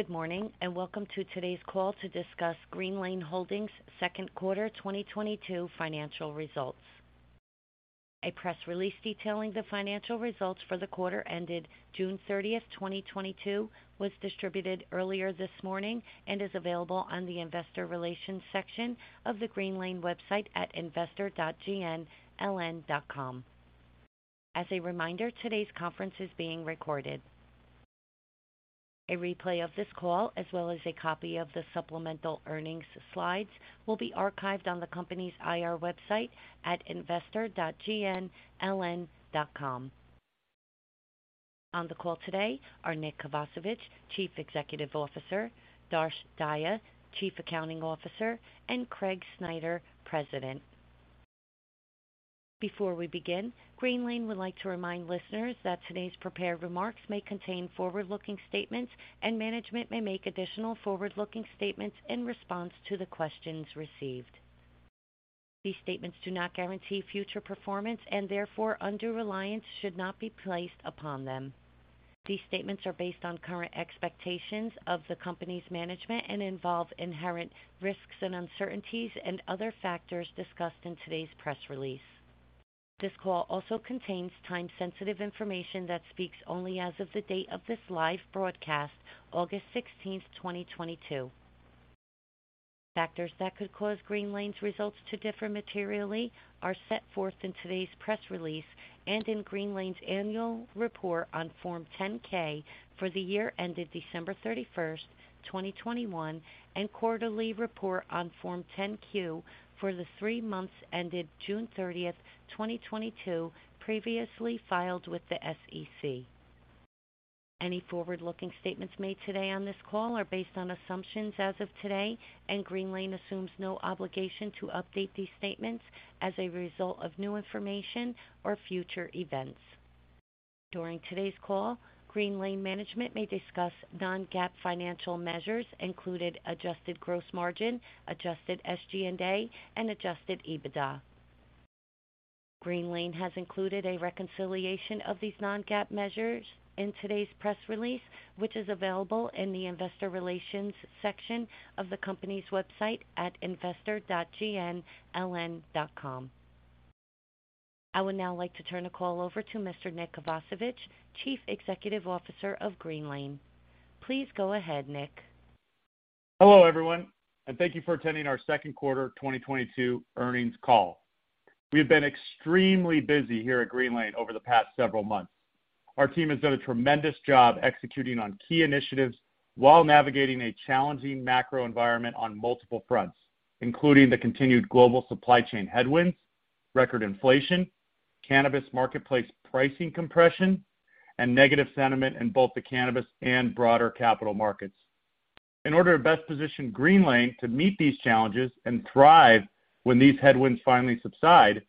Good morning, and welcome to today's call to discuss Greenlane Holdings Second Quarter 2022 financial results. A press release detailing the financial results for the quarter ended June 30th, 2022, was distributed earlier this morning and is available on the Investor Relations section of the Greenlane website at investor.gnln.com. As a reminder, today's conference is being recorded. A replay of this call, as well as a copy of the supplemental earnings slides, will be archived on the company's IR website at investor.gnln.com. On the call today are Nick Kovacevich, Chief Executive Officer, Darsh Dahya, Chief Accounting Officer, and Craig Snyder, President. Before we begin, Greenlane would like to remind listeners that today's prepared remarks may contain forward-looking statements, and management may make additional forward-looking statements in response to the questions received. These statements do not guarantee future performance and therefore, undue reliance should not be placed upon them. These statements are based on current expectations of the company's management and involve inherent risks and uncertainties and other factors discussed in today's press release. This call also contains time-sensitive information that speaks only as of the date of this live broadcast, August 16th, 2022. Factors that could cause Greenlane's results to differ materially are set forth in today's press release and in Greenlane's Annual Report on Form 10-K for the year ended December 31st, 2021, and quarterly report on Form 10-Q for the three months ended June 30th, 2022, previously filed with the SEC. Any forward-looking statements made today on this call are based on assumptions as of today, and Greenlane assumes no obligation to update these statements as a result of new information or future events. During today's call, Greenlane management may discuss non-GAAP financial measures, including adjusted gross margin, adjusted SG&A, and adjusted EBITDA. Greenlane has included a reconciliation of these non-GAAP measures in today's press release, which is available in the investor relations section of the company's website at investor.gnln.com. I would now like to turn the call over to Mr. Nick Kovacevich, Chief Executive Officer of Greenlane. Please go ahead, Nick. Hello, everyone, and thank you for attending our second quarter 2022 earnings call. We have been extremely busy here at Greenlane over the past several months. Our team has done a tremendous job executing on key initiatives while navigating a challenging macro environment on multiple fronts, including the continued global supply chain headwinds, record inflation, cannabis marketplace pricing compression, and negative sentiment in both the cannabis and broader capital markets. In order to best position Greenlane to meet these challenges and thrive when these headwinds finally subside,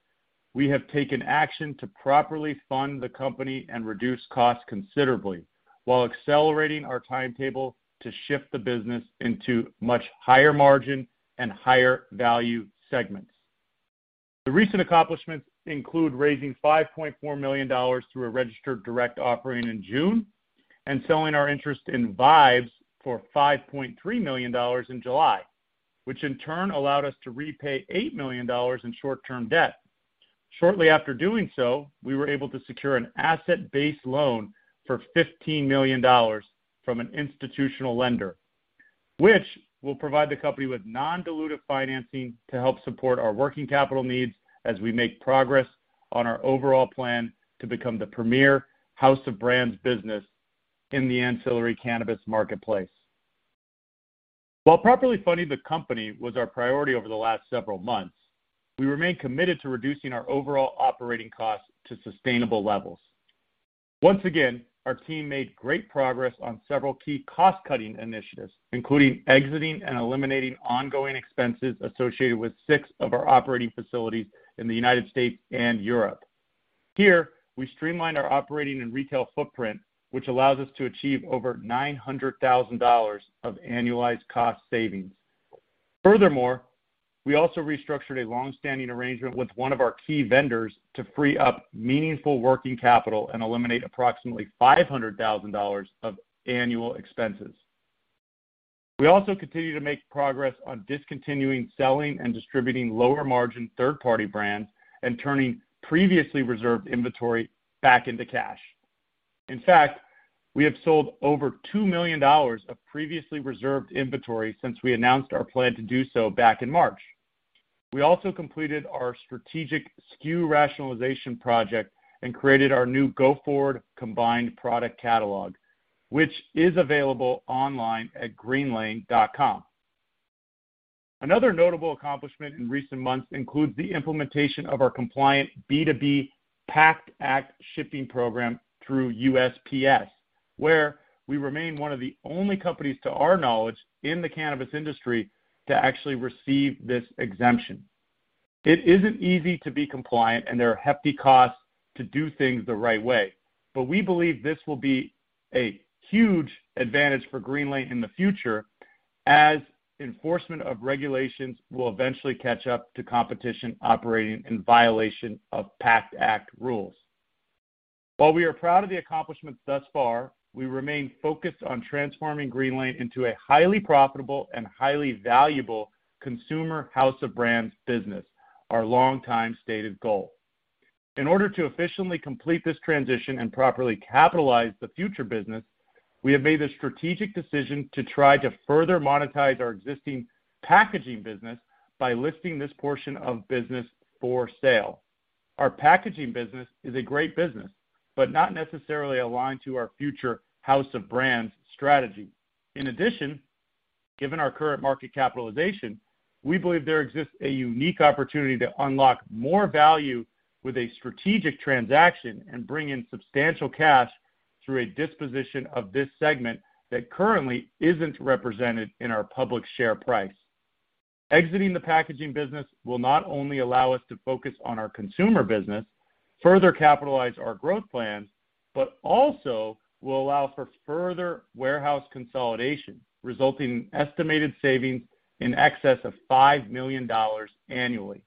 we have taken action to properly fund the company and reduce costs considerably while accelerating our timetable to shift the business into much higher margin and higher value segments. The recent accomplishments include raising $5.4 million through a registered direct offering in June and selling our interest in VIBES for $5.3 million in July, which in turn allowed us to repay $8 million in short-term debt. Shortly after doing so, we were able to secure an asset-based loan for $15 million from an institutional lender, which will provide the company with non-dilutive financing to help support our working capital needs as we make progress on our overall plan to become the premier house of brands business in the ancillary cannabis marketplace. While properly funding the company was our priority over the last several months, we remain committed to reducing our overall operating costs to sustainable levels. Once again, our team made great progress on several key cost-cutting initiatives, including exiting and eliminating ongoing expenses associated with 6 of our operating facilities in the United States and Europe. Here, we streamlined our operating and retail footprint, which allows us to achieve over $900,000 of annualized cost savings. Furthermore, we also restructured a long-standing arrangement with one of our key vendors to free up meaningful working capital and eliminate approximately $500,000 of annual expenses. We also continue to make progress on discontinuing, selling, and distributing lower-margin third-party brands and turning previously reserved inventory back into cash. In fact, we have sold over $2 million of previously reserved inventory since we announced our plan to do so back in March. We also completed our strategic SKU rationalization project and created our new go-forward combined product catalog, which is available online at greenlane.com. Another notable accomplishment in recent months includes the implementation of our compliant B2B PACT Act shipping program through USPS, where we remain one of the only companies to our knowledge in the cannabis industry to actually receive this exemption. It isn't easy to be compliant and there are hefty costs to do things the right way. We believe this will be a huge advantage for Greenlane in the future as enforcement of regulations will eventually catch up to competition operating in violation of PACT Act rules. While we are proud of the accomplishments thus far, we remain focused on transforming Greenlane into a highly profitable and highly valuable consumer house of brands business, our longtime stated goal. In order to efficiently complete this transition and properly capitalize the future business, we have made the strategic decision to try to further monetize our existing packaging business by listing this portion of business for sale. Our packaging business is a great business, but not necessarily aligned to our future house of brands strategy. In addition, given our current market capitalization, we believe there exists a unique opportunity to unlock more value with a strategic transaction and bring in substantial cash through a disposition of this segment that currently isn't represented in our public share price. Exiting the packaging business will not only allow us to focus on our consumer business, further capitalize our growth plans, but also will allow for further warehouse consolidation, resulting in estimated savings in excess of $5 million annually.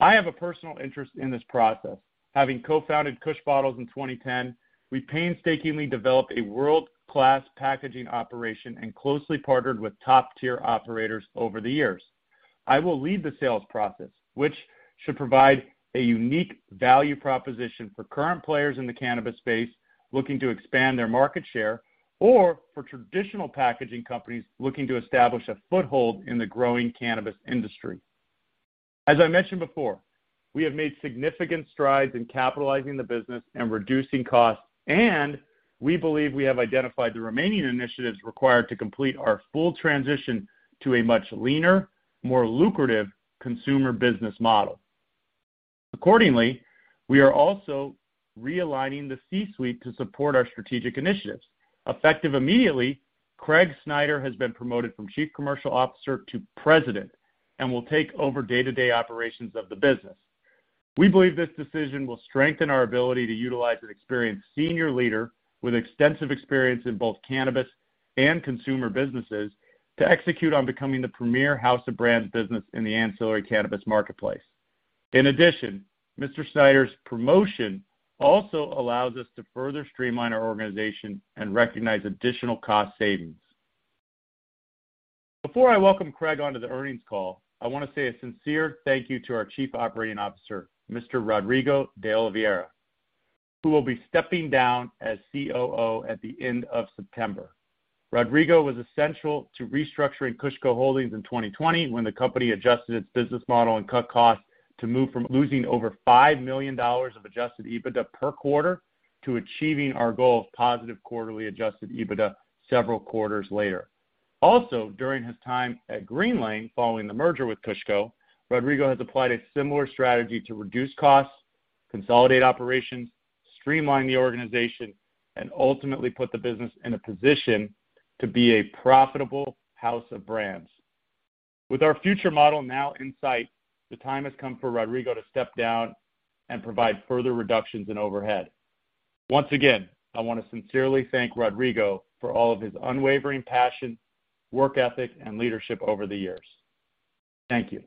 I have a personal interest in this process. Having co-founded Kush Bottles in 2010, we painstakingly developed a world-class packaging operation and closely partnered with top-tier operators over the years. I will lead the sales process, which should provide a unique value proposition for current players in the cannabis space looking to expand their market share, or for traditional packaging companies looking to establish a foothold in the growing cannabis industry. As I mentioned before, we have made significant strides in capitalizing the business and reducing costs, and we believe we have identified the remaining initiatives required to complete our full transition to a much leaner, more lucrative consumer business model. Accordingly, we are also realigning the C-suite to support our strategic initiatives. Effective immediately, Craig Snyder has been promoted from Chief Commercial Officer to President and will take over day-to-day operations of the business. We believe this decision will strengthen our ability to utilize an experienced senior leader with extensive experience in both cannabis and consumer businesses to execute on becoming the premier house of brands business in the ancillary cannabis marketplace. In addition, Mr. Snyder's promotion also allows us to further streamline our organization and recognize additional cost savings. Before I welcome Craig onto the earnings call, I wanna say a sincere thank you to our Chief Operating Officer, Mr. Rodrigo de Oliveira, who will be stepping down as COO at the end of September. Rodrigo was essential to restructuring KushCo Holdings in 2020 when the company adjusted its business model and cut costs to move from losing over $5 million of adjusted EBITDA per quarter to achieving our goal of positive quarterly adjusted EBITDA several quarters later. Also, during his time at Greenlane, following the merger with KushCo, Rodrigo has applied a similar strategy to reduce costs, consolidate operations, streamline the organization, and ultimately put the business in a position to be a profitable house of brands. With our future model now in sight, the time has come for Rodrigo to step down and provide further reductions in overhead. Once again, I wanna sincerely thank Rodrigo for all of his unwavering passion, work ethic, and leadership over the years. Thank you.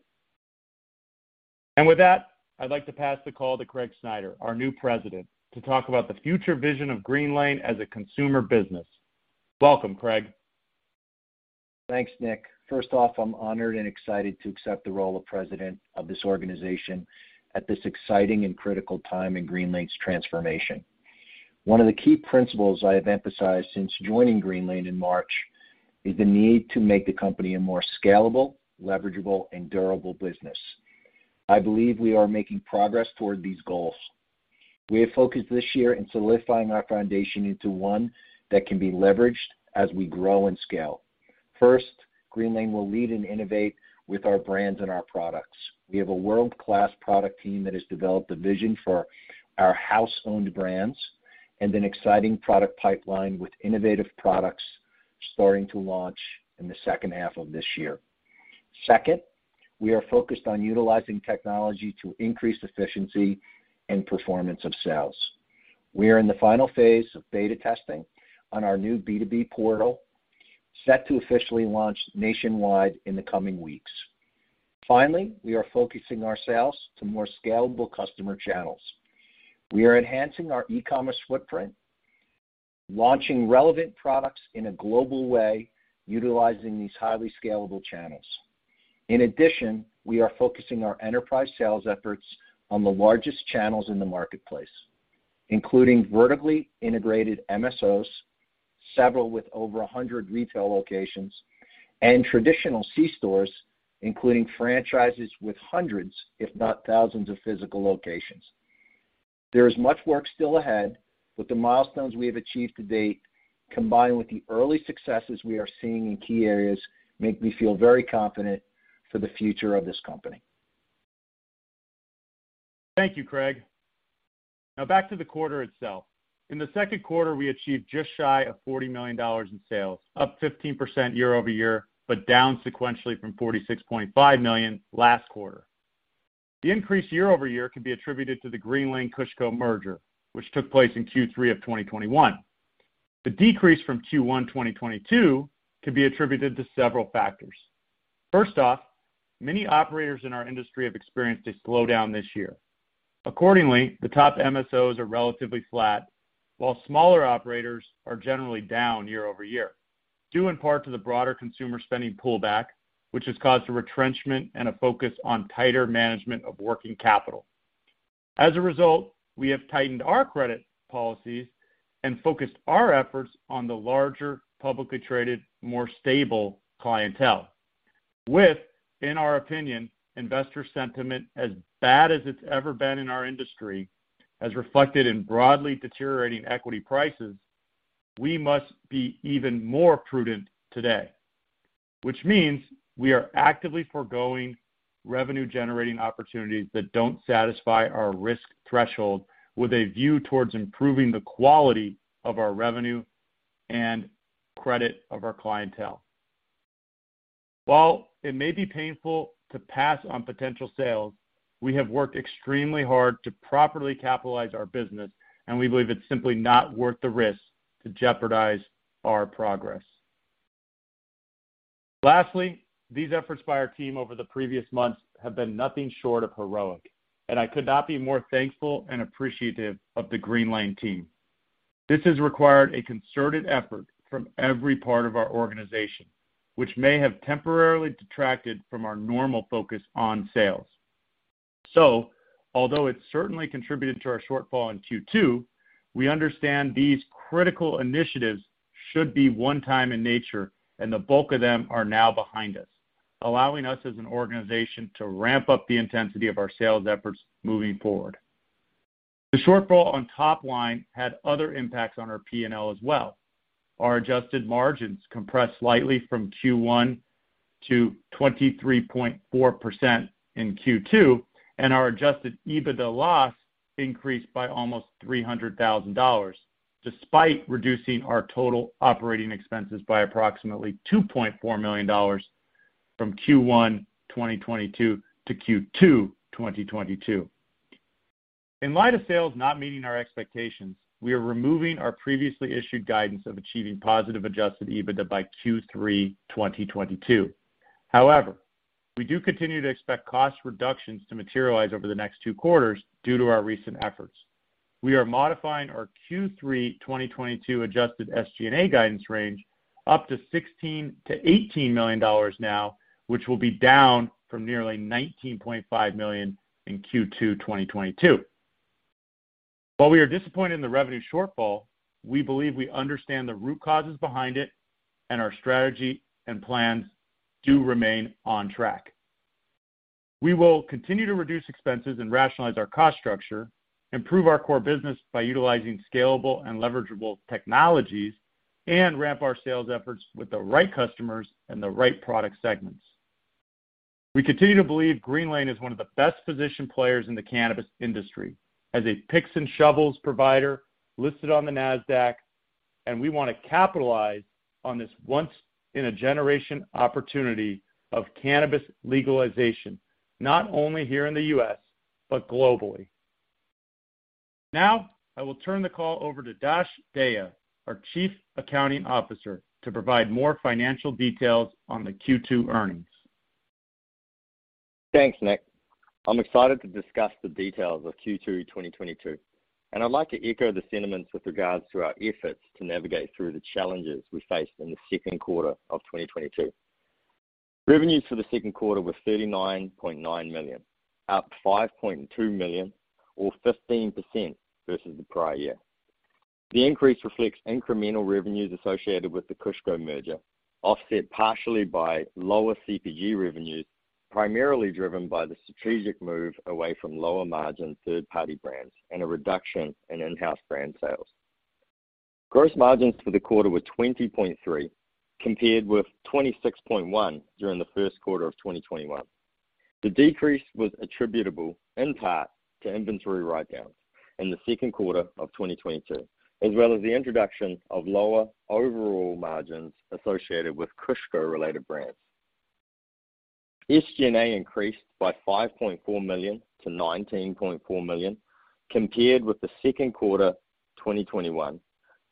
With that, I'd like to pass the call to Craig Snyder, our new President, to talk about the future vision of Greenlane as a consumer business. Welcome, Craig. Thanks, Nick. First off, I'm honored and excited to accept the role of president of this organization at this exciting and critical time in Greenlane's transformation. One of the key principles I have emphasized since joining Greenlane in March is the need to make the company a more scalable, leverageable, and durable business. I believe we are making progress toward these goals. We have focused this year in solidifying our foundation into one that can be leveraged as we grow and scale. First, Greenlane will lead and innovate with our brands and our products. We have a world-class product team that has developed a vision for our house-owned brands and an exciting product pipeline with innovative products starting to launch in the second half of this year. Second, we are focused on utilizing technology to increase efficiency and performance of sales. We are in the final phase of beta testing on our new B2B portal, set to officially launch nationwide in the coming weeks. Finally, we are focusing our sales to more scalable customer channels. We are enhancing our e-commerce footprint, launching relevant products in a global way, utilizing these highly scalable channels. In addition, we are focusing our enterprise sales efforts on the largest channels in the marketplace, including vertically integrated MSOs, several with over 100 retail locations, and traditional C stores, including franchises with hundreds, if not thousands, of physical locations. There is much work still ahead, but the milestones we have achieved to date, combined with the early successes we are seeing in key areas, make me feel very confident for the future of this company. Thank you, Craig. Now back to the quarter itself. In the second quarter, we achieved just shy of $40 million in sales, up 15% year-over-year, but down sequentially from $46.5 million last quarter. The increase year-over-year can be attributed to the Greenlane-KushCo merger, which took place in Q3 of 2021. The decrease from Q1 2022 can be attributed to several factors. First off, many operators in our industry have experienced a slowdown this year. Accordingly, the top MSOs are relatively flat, while smaller operators are generally down year-over-year, due in part to the broader consumer spending pullback, which has caused a retrenchment and a focus on tighter management of working capital. As a result, we have tightened our credit policies and focused our efforts on the larger, publicly traded, more stable clientele. With, in our opinion, investor sentiment as bad as it's ever been in our industry, as reflected in broadly deteriorating equity prices, we must be even more prudent today. Which means we are actively foregoing revenue-generating opportunities that don't satisfy our risk threshold with a view towards improving the quality of our revenue and credit of our clientele. While it may be painful to pass on potential sales, we have worked extremely hard to properly capitalize our business, and we believe it's simply not worth the risk to jeopardize our progress. Lastly, these efforts by our team over the previous months have been nothing short of heroic, and I could not be more thankful and appreciative of the Greenlane team. This has required a concerted effort from every part of our organization, which may have temporarily detracted from our normal focus on sales. Although it certainly contributed to our shortfall in Q2, we understand these critical initiatives should be one time in nature, and the bulk of them are now behind us, allowing us as an organization to ramp up the intensity of our sales efforts moving forward. The shortfall on top line had other impacts on our P&L as well. Our adjusted margins compressed slightly from Q1 to 23.4% in Q2, and our adjusted EBITDA loss increased by almost $300,000, despite reducing our total operating expenses by approximately $2.4 million from Q1 2022 to Q2 2022. In light of sales not meeting our expectations, we are removing our previously issued guidance of achieving positive adjusted EBITDA by Q3 2022. However, we do continue to expect cost reductions to materialize over the next two quarters due to our recent efforts. We are modifying our Q3 2022 adjusted SG&A guidance range up to $16 million-$18 million now, which will be down from nearly $19.5 million in Q2 2022. While we are disappointed in the revenue shortfall, we believe we understand the root causes behind it, and our strategy and plans do remain on track. We will continue to reduce expenses and rationalize our cost structure, improve our core business by utilizing scalable and leverageable technologies, and ramp our sales efforts with the right customers and the right product segments. We continue to believe Greenlane is one of the best-positioned players in the cannabis industry as a picks and shovels provider listed on the Nasdaq, and we wanna capitalize on this once-in-a-generation opportunity of cannabis legalization, not only here in the U.S., but globally. Now I will turn the call over to Darsh Dahya, our Chief Accounting Officer, to provide more financial details on the Q2 earnings. Thanks, Nick. I'm excited to discuss the details of Q2 2022, and I'd like to echo the sentiments with regards to our efforts to navigate through the challenges we faced in the second quarter of 2022. Revenues for the second quarter were $39.9 million, up $5.2 million or 15% versus the prior year. The increase reflects incremental revenues associated with the KushCo merger, offset partially by lower CPG revenues, primarily driven by the strategic move away from lower-margin third-party brands and a reduction in in-house brand sales. Gross margins for the quarter were 20.3%, compared with 26.1% during the first quarter of 2021. The decrease was attributable in part to inventory write-downs in the second quarter of 2022, as well as the introduction of lower overall margins associated with KushCo-related brands. SG&A increased by $5.4 million to $19.4 million compared with the second quarter 2021,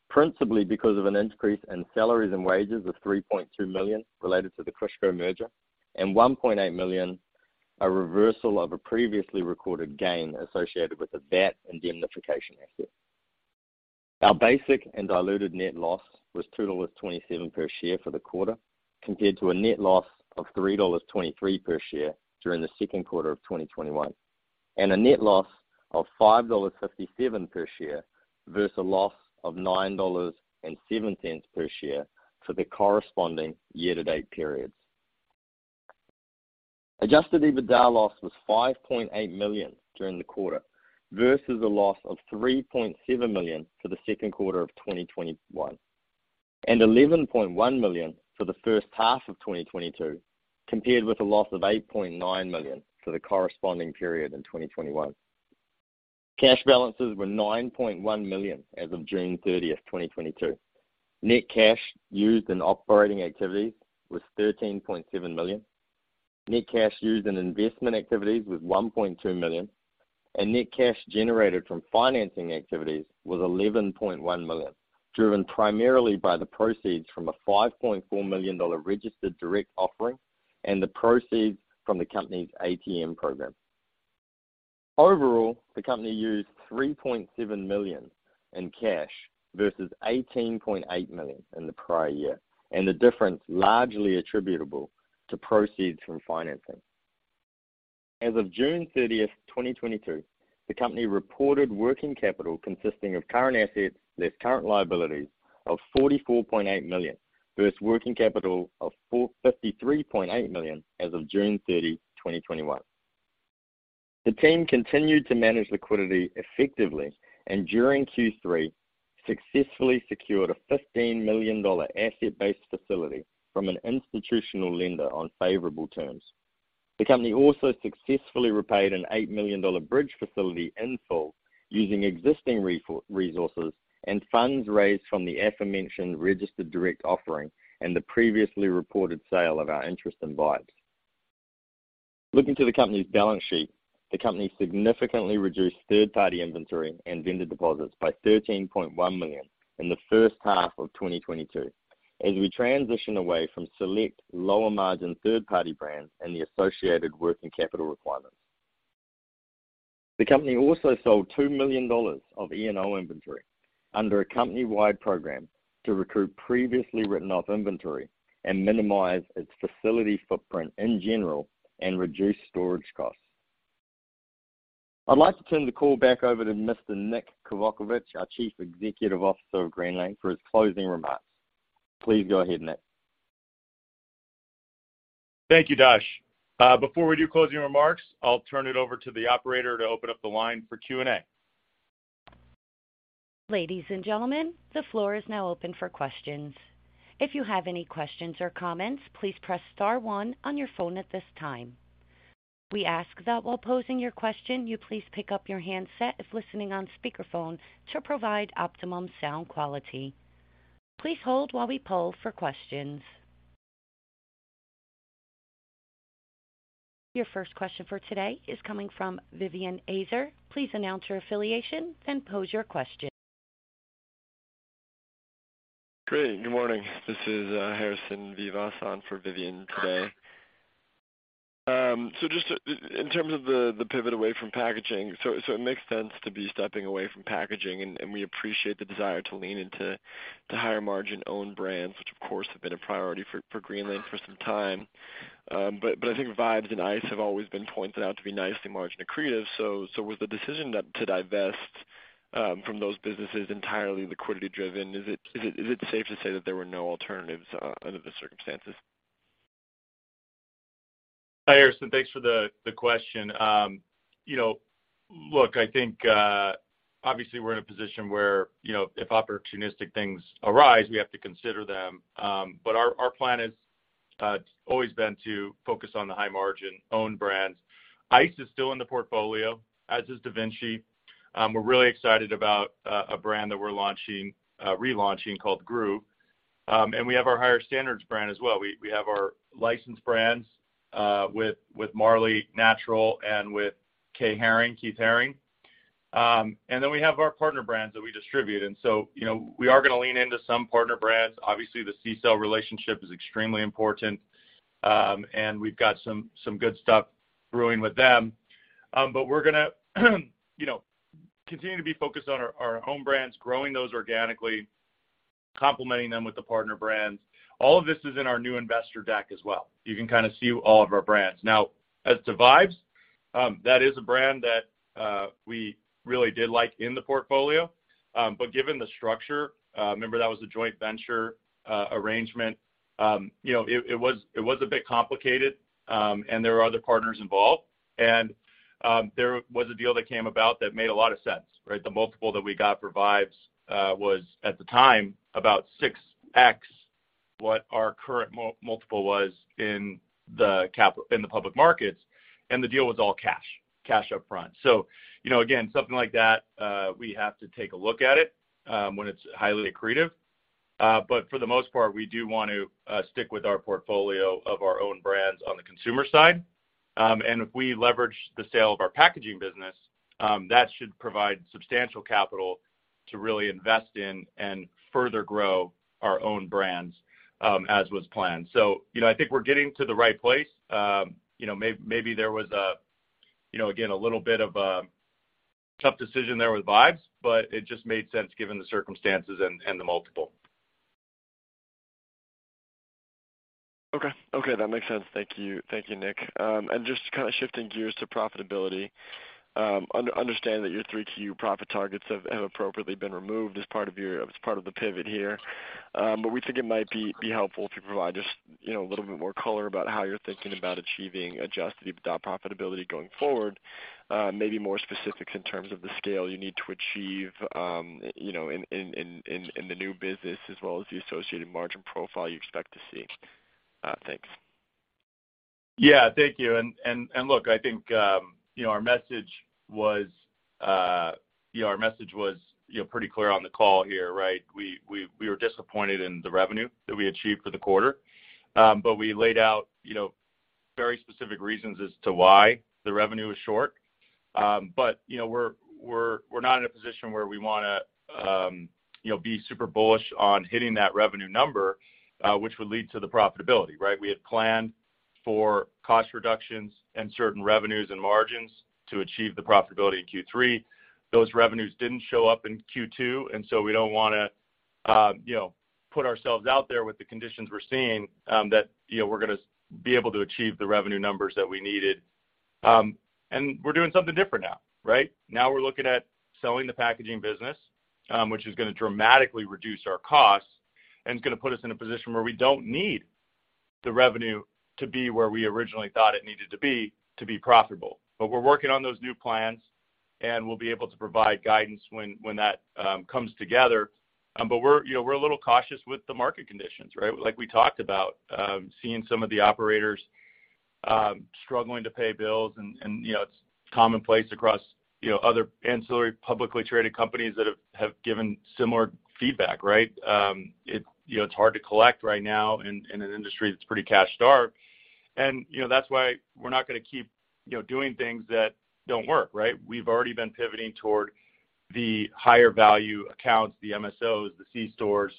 principally because of an increase in salaries and wages of $3.2 million related to the KushCo merger and $1.8 million, a reversal of a previously recorded gain associated with a VAT indemnification asset. Our basic and diluted net loss was $2.27 per share for the quarter, compared to a net loss of $3.23 per share during the second quarter of 2021, and a net loss of $5.57 per share versus a loss of $9.07 per share for the corresponding year-to-date periods. Adjusted EBITDA loss was $5.8 million during the quarter versus a loss of $3.7 million for the second quarter of 2021, and $11.1 million for the first half of 2022, compared with a loss of $8.9 million for the corresponding period in 2021. Cash balances were $9.1 million as of June 30th, 2022. Net cash used in operating activities was $13.7 million. Net cash used in investment activities was $1.2 million, and net cash generated from financing activities was $11.1 million, driven primarily by the proceeds from a $5.4 million registered direct offering and the proceeds from the company's ATM program. Overall, the company used $3.7 million in cash versus $18.8 million in the prior year, and the difference largely attributable to proceeds from financing. As of June 30th, 2022, the company reported working capital consisting of current assets, less current liabilities of $44.8 million, versus working capital of $53.8 million as of June 30th, 2021. The team continued to manage liquidity effectively, and during Q3 successfully secured a $15 million asset-based facility from an institutional lender on favorable terms. The company also successfully repaid an $8 million bridge facility in full using existing resources and funds raised from the aforementioned registered direct offering and the previously reported sale of our interest in VIBES. Looking to the company's balance sheet, the company significantly reduced third-party inventory and vendor deposits by $13.1 million in the first half of 2022 as we transition away from select lower-margin third-party brands and the associated working capital requirements. The company also sold $2 million of E&O inventory under a company-wide program to recoup previously written off inventory and minimize its facility footprint in general and reduce storage costs. I'd like to turn the call back over to Mr. Nick Kovacevich, our Chief Executive Officer of Greenlane, for his closing remarks. Please go ahead, Nick. Thank you, Darsh. Before we do closing remarks, I'll turn it over to the operator to open up the line for Q&A. Ladies and gentlemen, the floor is now open for questions. If you have any questions or comments, please press star one on your phone at this time. We ask that while posing your question, you please pick up your handset if listening on speakerphone to provide optimum sound quality. Please hold while we poll for questions. Your first question for today is coming from Vivien Azer. Please announce your affiliation, then pose your question. Great. Good morning. This is Harrison Vivas on for Vivien Azer today. Just in terms of the pivot away from packaging. It makes sense to be stepping away from packaging, and we appreciate the desire to lean into the higher margin own brands, which of course have been a priority for Greenlane for some time. I think VIBES and Eyce have always been pointed out to be nicely margin accretive. Was the decision to divest from those businesses entirely liquidity-driven? Is it safe to say that there were no alternatives under the circumstances? Hi, Harrison. Thanks for the question. You know, look, I think, obviously we're in a position where, you know, if opportunistic things arise, we have to consider them. But our plan has always been to focus on the high-margin own brands. Eyce is still in the portfolio, as is DaVinci. We're really excited about a brand that we're launching, relaunching called Groove. And we have our Higher Standards brand as well. We have our licensed brands, with Marley Natural and with K. Haring, Keith Haring. And then we have our partner brands that we distribute. You know, we are gonna lean into some partner brands. Obviously, the CCELL relationship is extremely important. And we've got some good stuff brewing with them. We're gonna, you know, continue to be focused on our own brands, growing those organically, complementing them with the partner brands. All of this is in our new investor deck as well. You can kind of see all of our brands. Now as to VIBES, that is a brand that we really did like in the portfolio. Given the structure, remember that was a joint venture arrangement. You know, it was a bit complicated. There were other partners involved. There was a deal that came about that made a lot of sense, right? The multiple that we got for VIBES was at the time about 6x what our current multiple was in the public markets, and the deal was all cash up front. You know, again, something like that, we have to take a look at it when it's highly accretive. But for the most part, we do want to stick with our portfolio of our own brands on the consumer side. And if we leverage the sale of our packaging business, that should provide substantial capital to really invest in and further grow our own brands, as was planned. You know, I think we're getting to the right place. You know, maybe there was a, you know, again, a little bit of a tough decision there with VIBES, but it just made sense given the circumstances and the multiple. Okay. Okay, that makes sense. Thank you. Thank you, Nick. Just kind of shifting gears to profitability, understand that your three key profit targets have appropriately been removed as part of the pivot here. We think it might be helpful if you provide just, you know, a little bit more color about how you're thinking about achieving adjusted EBITDA profitability going forward. Maybe more specifics in terms of the scale you need to achieve, you know, in the new business as well as the associated margin profile you expect to see. Thanks. Yeah, thank you. Look, I think, you know, our message was, you know, pretty clear on the call here, right? We were disappointed in the revenue that we achieved for the quarter. We laid out, you know, very specific reasons as to why the revenue is short. You know, we're not in a position where we wanna, you know, be super bullish on hitting that revenue number, which would lead to the profitability, right? We had planned for cost reductions and certain revenues and margins to achieve the profitability in Q3. Those revenues didn't show up in Q2, and so we don't wanna, you know, put ourselves out there with the conditions we're seeing, that, you know, we're gonna be able to achieve the revenue numbers that we needed. We're doing something different now, right? Now we're looking at selling the packaging business, which is gonna dramatically reduce our costs and is gonna put us in a position where we don't need the revenue to be where we originally thought it needed to be to be profitable. We're working on those new plans, and we'll be able to provide guidance when that comes together. We're a little cautious with the market conditions, right? Like we talked about, seeing some of the operators struggling to pay bills and you know, it's commonplace across, you know, other ancillary publicly traded companies that have given similar feedback, right? You know, it's hard to collect right now in an industry that's pretty cash-starved. You know, that's why we're not gonna keep, you know, doing things that don't work, right? We've already been pivoting toward the higher value accounts, the MSOs, the C-stores,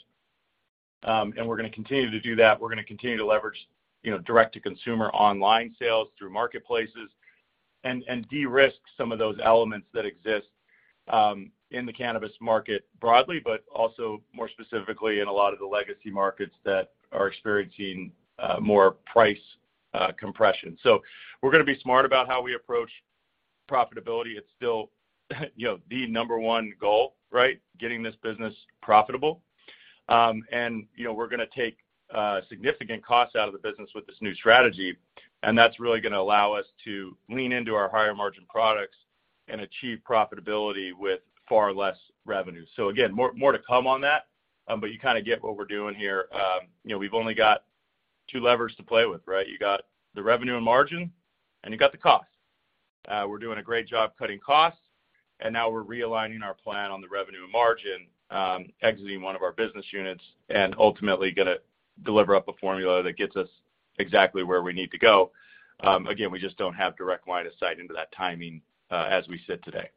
and we're gonna continue to do that. We're gonna continue to leverage, you know, direct-to-consumer online sales through marketplaces and de-risk some of those elements that exist in the cannabis market broadly, but also more specifically in a lot of the legacy markets that are experiencing more price compression. We're gonna be smart about how we approach profitability. It's still, you know, the number one goal, right? Getting this business profitable. You know, we're gonna take significant costs out of the business with this new strategy, and that's really gonna allow us to lean into our higher margin products and achieve profitability with far less revenue. Again, more to come on that, but you kinda get what we're doing here. You know, we've only got two levers to play with, right? You got the revenue and margin, and you got the cost. We're doing a great job cutting costs, and now we're realigning our plan on the revenue and margin, exiting one of our business units and ultimately gonna deliver up a formula that gets us exactly where we need to go. Again, we just don't have direct line of sight into that timing, as we sit today.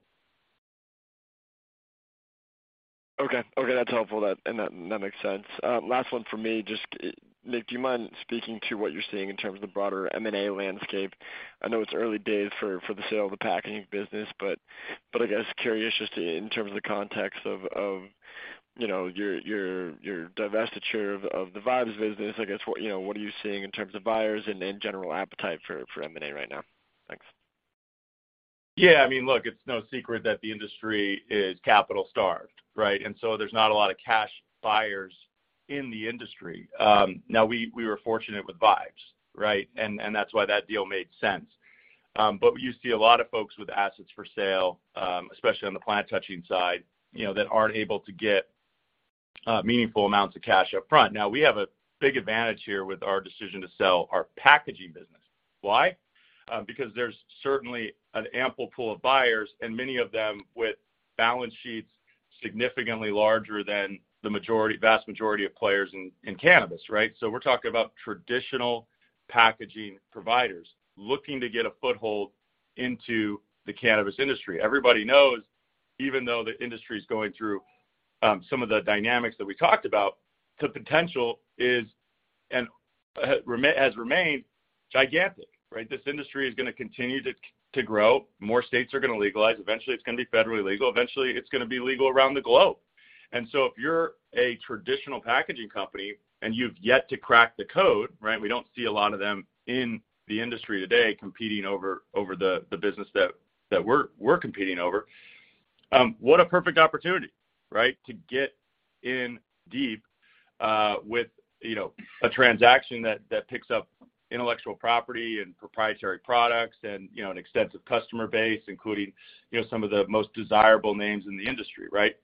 Okay. Okay, that's helpful. That makes sense. Last one for me. Just Nick, do you mind speaking to what you're seeing in terms of the broader M&A landscape? I know it's early days for the sale of the packaging business, but I guess curious just in terms of the context of you know your divestiture of the VIBES business. I guess what you know what are you seeing in terms of buyers and then general appetite for M&A right now? Thanks. Yeah. I mean, look, it's no secret that the industry is capital-starved, right? There's not a lot of cash buyers in the industry. Now we were fortunate with VIBES, right? That's why that deal made sense. But you see a lot of folks with assets for sale, especially on the plant touching side, you know, that aren't able to get meaningful amounts of cash up front. Now, we have a big advantage here with our decision to sell our packaging business. Why? Because there's certainly an ample pool of buyers, and many of them with balance sheets significantly larger than the majority, vast majority of players in cannabis, right? We're talking about traditional packaging providers looking to get a foothold into the cannabis industry. Everybody knows, even though the industry is going through some of the dynamics that we talked about, the potential has remained gigantic, right? This industry is gonna continue to grow. More states are gonna legalize. Eventually, it's gonna be federally legal. Eventually, it's gonna be legal around the globe. If you're a traditional packaging company and you've yet to crack the code, right? We don't see a lot of them in the industry today competing over the business that we're competing over. What a perfect opportunity, right? To get in deep with, you know, a transaction that picks up intellectual property and proprietary products and, you know, an extensive customer base, including, you know, some of the most desirable names in the industry, right?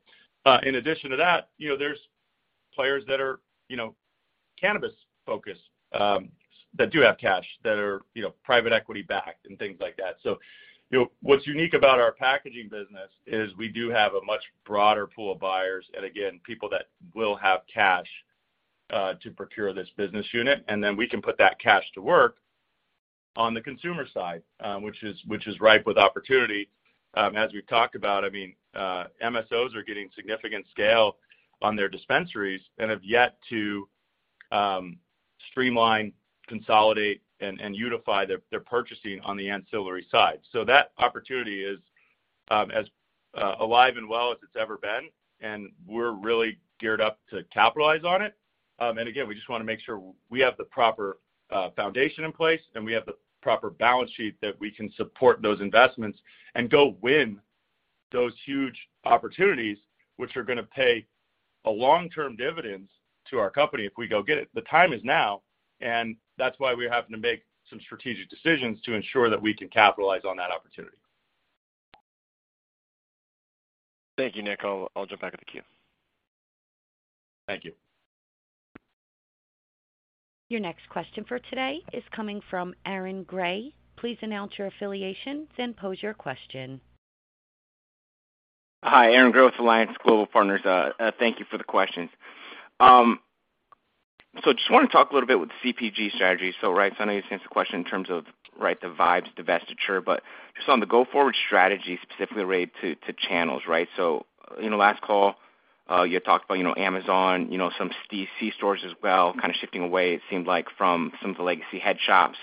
In addition to that, you know, there's players that are, you know, cannabis-focused, that do have cash, that are, you know, private equity backed and things like that. You know, what's unique about our packaging business is we do have a much broader pool of buyers and again, people that will have cash to procure this business unit, and then we can put that cash to work on the consumer side, which is, which is ripe with opportunity. As we've talked about, I mean, MSOs are getting significant scale on their dispensaries and have yet to streamline, consolidate, and unify their purchasing on the ancillary side. That opportunity is as alive and well as it's ever been, and we're really geared up to capitalize on it. Again, we just wanna make sure we have the proper foundation in place and we have the proper balance sheet that we can support those investments and go win those huge opportunities, which are gonna pay a long-term dividends to our company if we go get it. The time is now, and that's why we're having to make some strategic decisions to ensure that we can capitalize on that opportunity. Thank you, Nick. I'll jump back to the queue. Thank you. Your next question for today is coming from Aaron Grey. Please announce your affiliation, then pose your question. Hi, Aaron Grey with Alliance Global Partners. Thank you for the questions. Just wanna talk a little bit with CPG strategy. Right, I know you answered the question in terms of, right, the VIBES divestiture, but just on the go-forward strategy, specifically related to channels, right? You know, last call, you had talked about, you know, Amazon, you know, some c-stores as well, kind of shifting away, it seemed like, from some of the legacy head shops.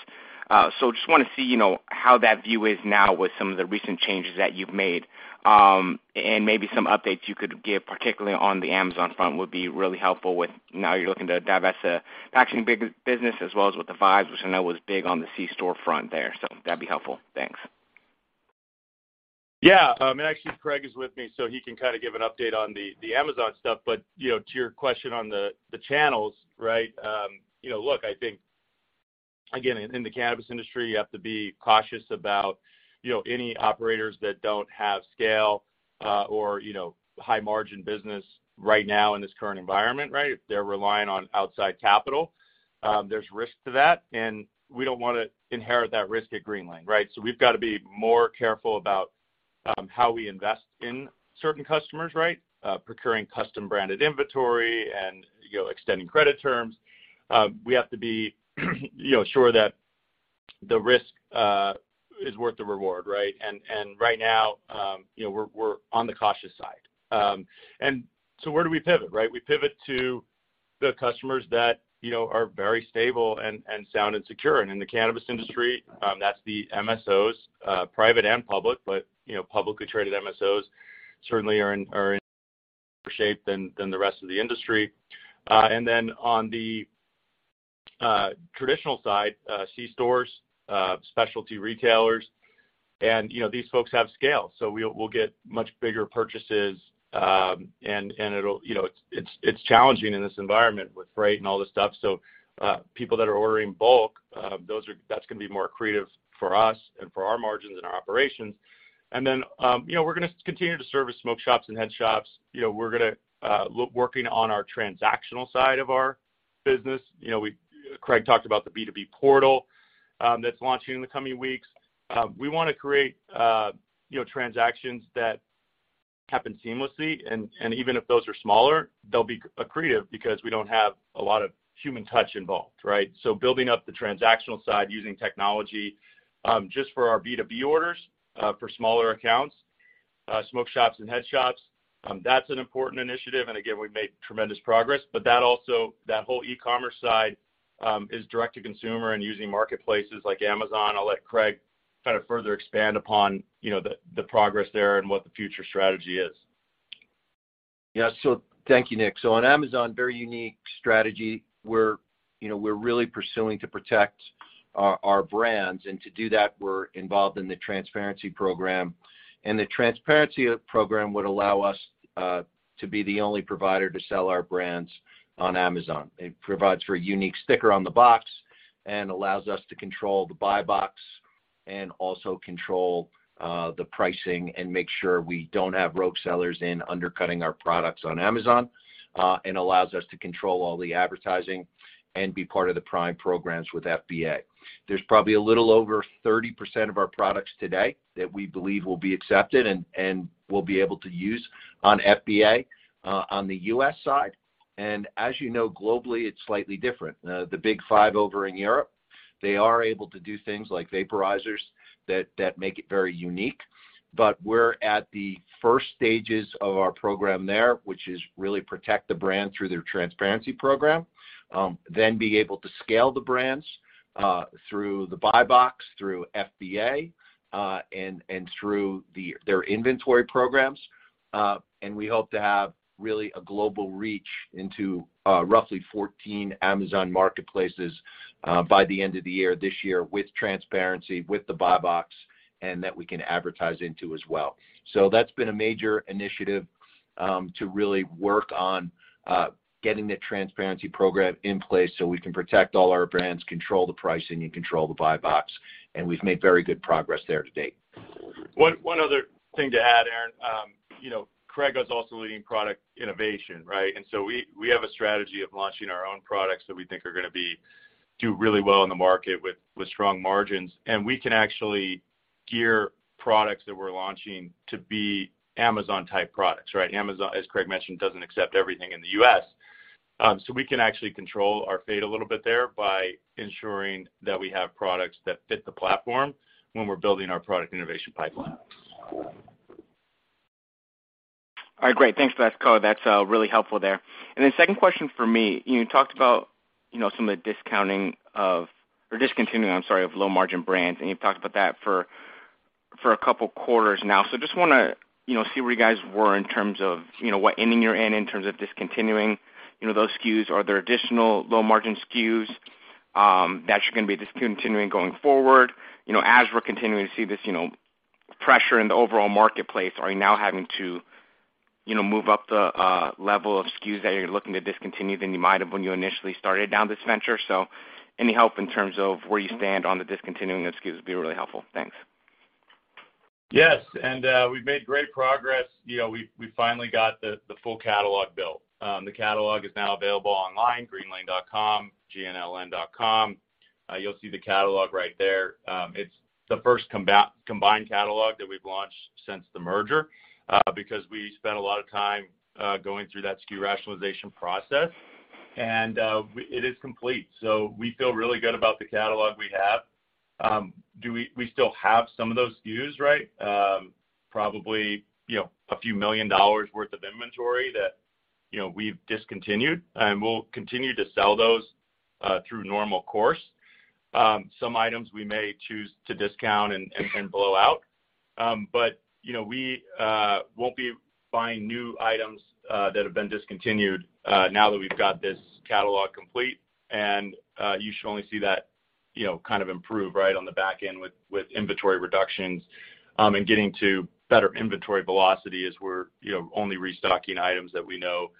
Just wanna see, you know, how that view is now with some of the recent changes that you've made. Maybe some updates you could give, particularly on the Amazon front, would be really helpful with now you're looking to divest the packaging big business as well as with the VIBES, which I know was big on the C-store front there. That'd be helpful. Thanks. Yeah. Actually, Craig is with me, so he can kind of give an update on the Amazon stuff. To your question on the channels, right? You know, look, I think, again, in the cannabis industry, you have to be cautious about, you know, any operators that don't have scale, or you know, high margin business right now in this current environment, right? If they're relying on outside capital, there's risk to that, and we don't wanna inherit that risk at Greenlane, right? We've got to be more careful about how we invest in certain customers, right, procuring custom-branded inventory and, you know, extending credit terms. We have to be, you know, sure that the risk is worth the reward, right? Right now, you know, we're on the cautious side. Where do we pivot, right? We pivot to the customers that, you know, are very stable and sound and secure. In the cannabis industry, that's the MSOs, private and public, but, you know, publicly traded MSOs certainly are in shape than the rest of the industry. On the traditional side, C-stores, specialty retailers, and, you know, these folks have scale, so we'll get much bigger purchases. It'll be challenging in this environment with freight and all this stuff. People that are ordering bulk, those are going to be more accretive for us and for our margins and our operations. We're going to continue to service smoke shops and head shops. You know, we're gonna work on our transactional side of our business. You know, Craig talked about the B2B portal that's launching in the coming weeks. We wanna create, you know, transactions that happen seamlessly. Even if those are smaller, they'll be accretive because we don't have a lot of human touch involved, right? Building up the transactional side using technology just for our B2B orders for smaller accounts, smoke shops and head shops, that's an important initiative. Again, we've made tremendous progress. That also, that whole e-commerce side is direct to consumer and using marketplaces like Amazon. I'll let Craig kind of further expand upon, you know, the progress there and what the future strategy is. Yeah. Thank you, Nick. On Amazon, very unique strategy. We're, you know, we're really pursuing to protect our brands, and to do that, we're involved in the transparency program. The transparency program would allow us to be the only provider to sell our brands on Amazon. It provides for a unique sticker on the box and allows us to control the buy box and also control the pricing and make sure we don't have rogue sellers undercutting our products on Amazon. It allows us to control all the advertising and be part of the Prime programs with FBA. There's probably a little over 30% of our products today that we believe will be accepted and we'll be able to use on FBA on the U.S. side. As you know, globally it's slightly different. The big five over in Europe, they are able to do things like vaporizers that make it very unique. We're at the first stages of our program there, which is really protect the brand through their transparency program, then be able to scale the brands through the buy box, through FBA, and through their inventory programs. We hope to have really a global reach into roughly 14 Amazon marketplaces by the end of the year this year with transparency, with the buy box, and that we can advertise into as well. That's been a major initiative to really work on getting the transparency program in place so we can protect all our brands, control the pricing, and control the buy box. We've made very good progress there to date. One other thing to add, Aaron. You know, Craig is also leading product innovation, right? We have a strategy of launching our own products that we think are gonna do really well in the market with strong margins, and we can actually gear products that we're launching to be Amazon-type products, right? Amazon, as Craig mentioned, doesn't accept everything in the U.S. We can actually control our fate a little bit there by ensuring that we have products that fit the platform when we're building our product innovation pipeline. All right, great. Thanks for that color. That's really helpful there. Second question for me, you talked about, you know, some of the discontinuing of low margin brands, and you've talked about that for a couple quarters now. Just wanna, you know, see where you guys were in terms of, you know, what end you're in terms of discontinuing, you know, those SKUs. Are there additional low-margin SKUs that you're gonna be discontinuing going forward? You know, as we're continuing to see this, you know, pressure in the overall marketplace, are you now having to, you know, move up the level of SKUs that you're looking to discontinue than you might have when you initially started down this venture? Any help in terms of where you stand on the discontinuing of SKUs would be really helpful. Thanks. Yes, we've made great progress. You know, we finally got the full catalog built. The catalog is now available online, greenlane.com, gnln.com. You'll see the catalog right there. It's the first combine catalog that we've launched since the merger, because we spent a lot of time going through that SKU rationalization process, and it is complete. We feel really good about the catalog we have. We still have some of those SKUs, right? Probably, you know, a few million dollars worth of inventory that, you know, we've discontinued, and we'll continue to sell those through normal course. Some items we may choose to discount and blow out. You know, we won't be buying new items that have been discontinued now that we've got this catalog complete. You should only see that, you know, kind of improve, right, on the back end with inventory reductions, and getting to better inventory velocity as we're, you know, only restocking items that we know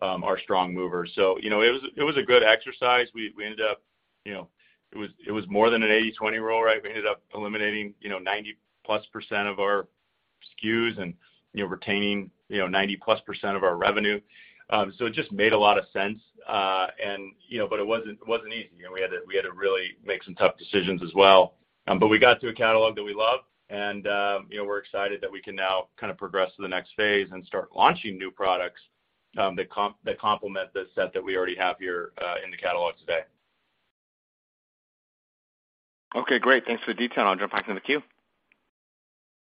are strong movers. You know, it was a good exercise. We ended up, you know, it was more than an 80/20 rule, right? We ended up eliminating, you know, 90%+ of our SKUs and, you know, retaining, you know, 90%+ of our revenue. It just made a lot of sense. You know, it wasn't easy. You know, we had to really make some tough decisions as well. We got to a catalog that we love and, you know, we're excited that we can now kind of progress to the next phase and start launching new products that complement the set that we already have here in the catalog today. Okay, great. Thanks for the detail. I'll jump back in the queue.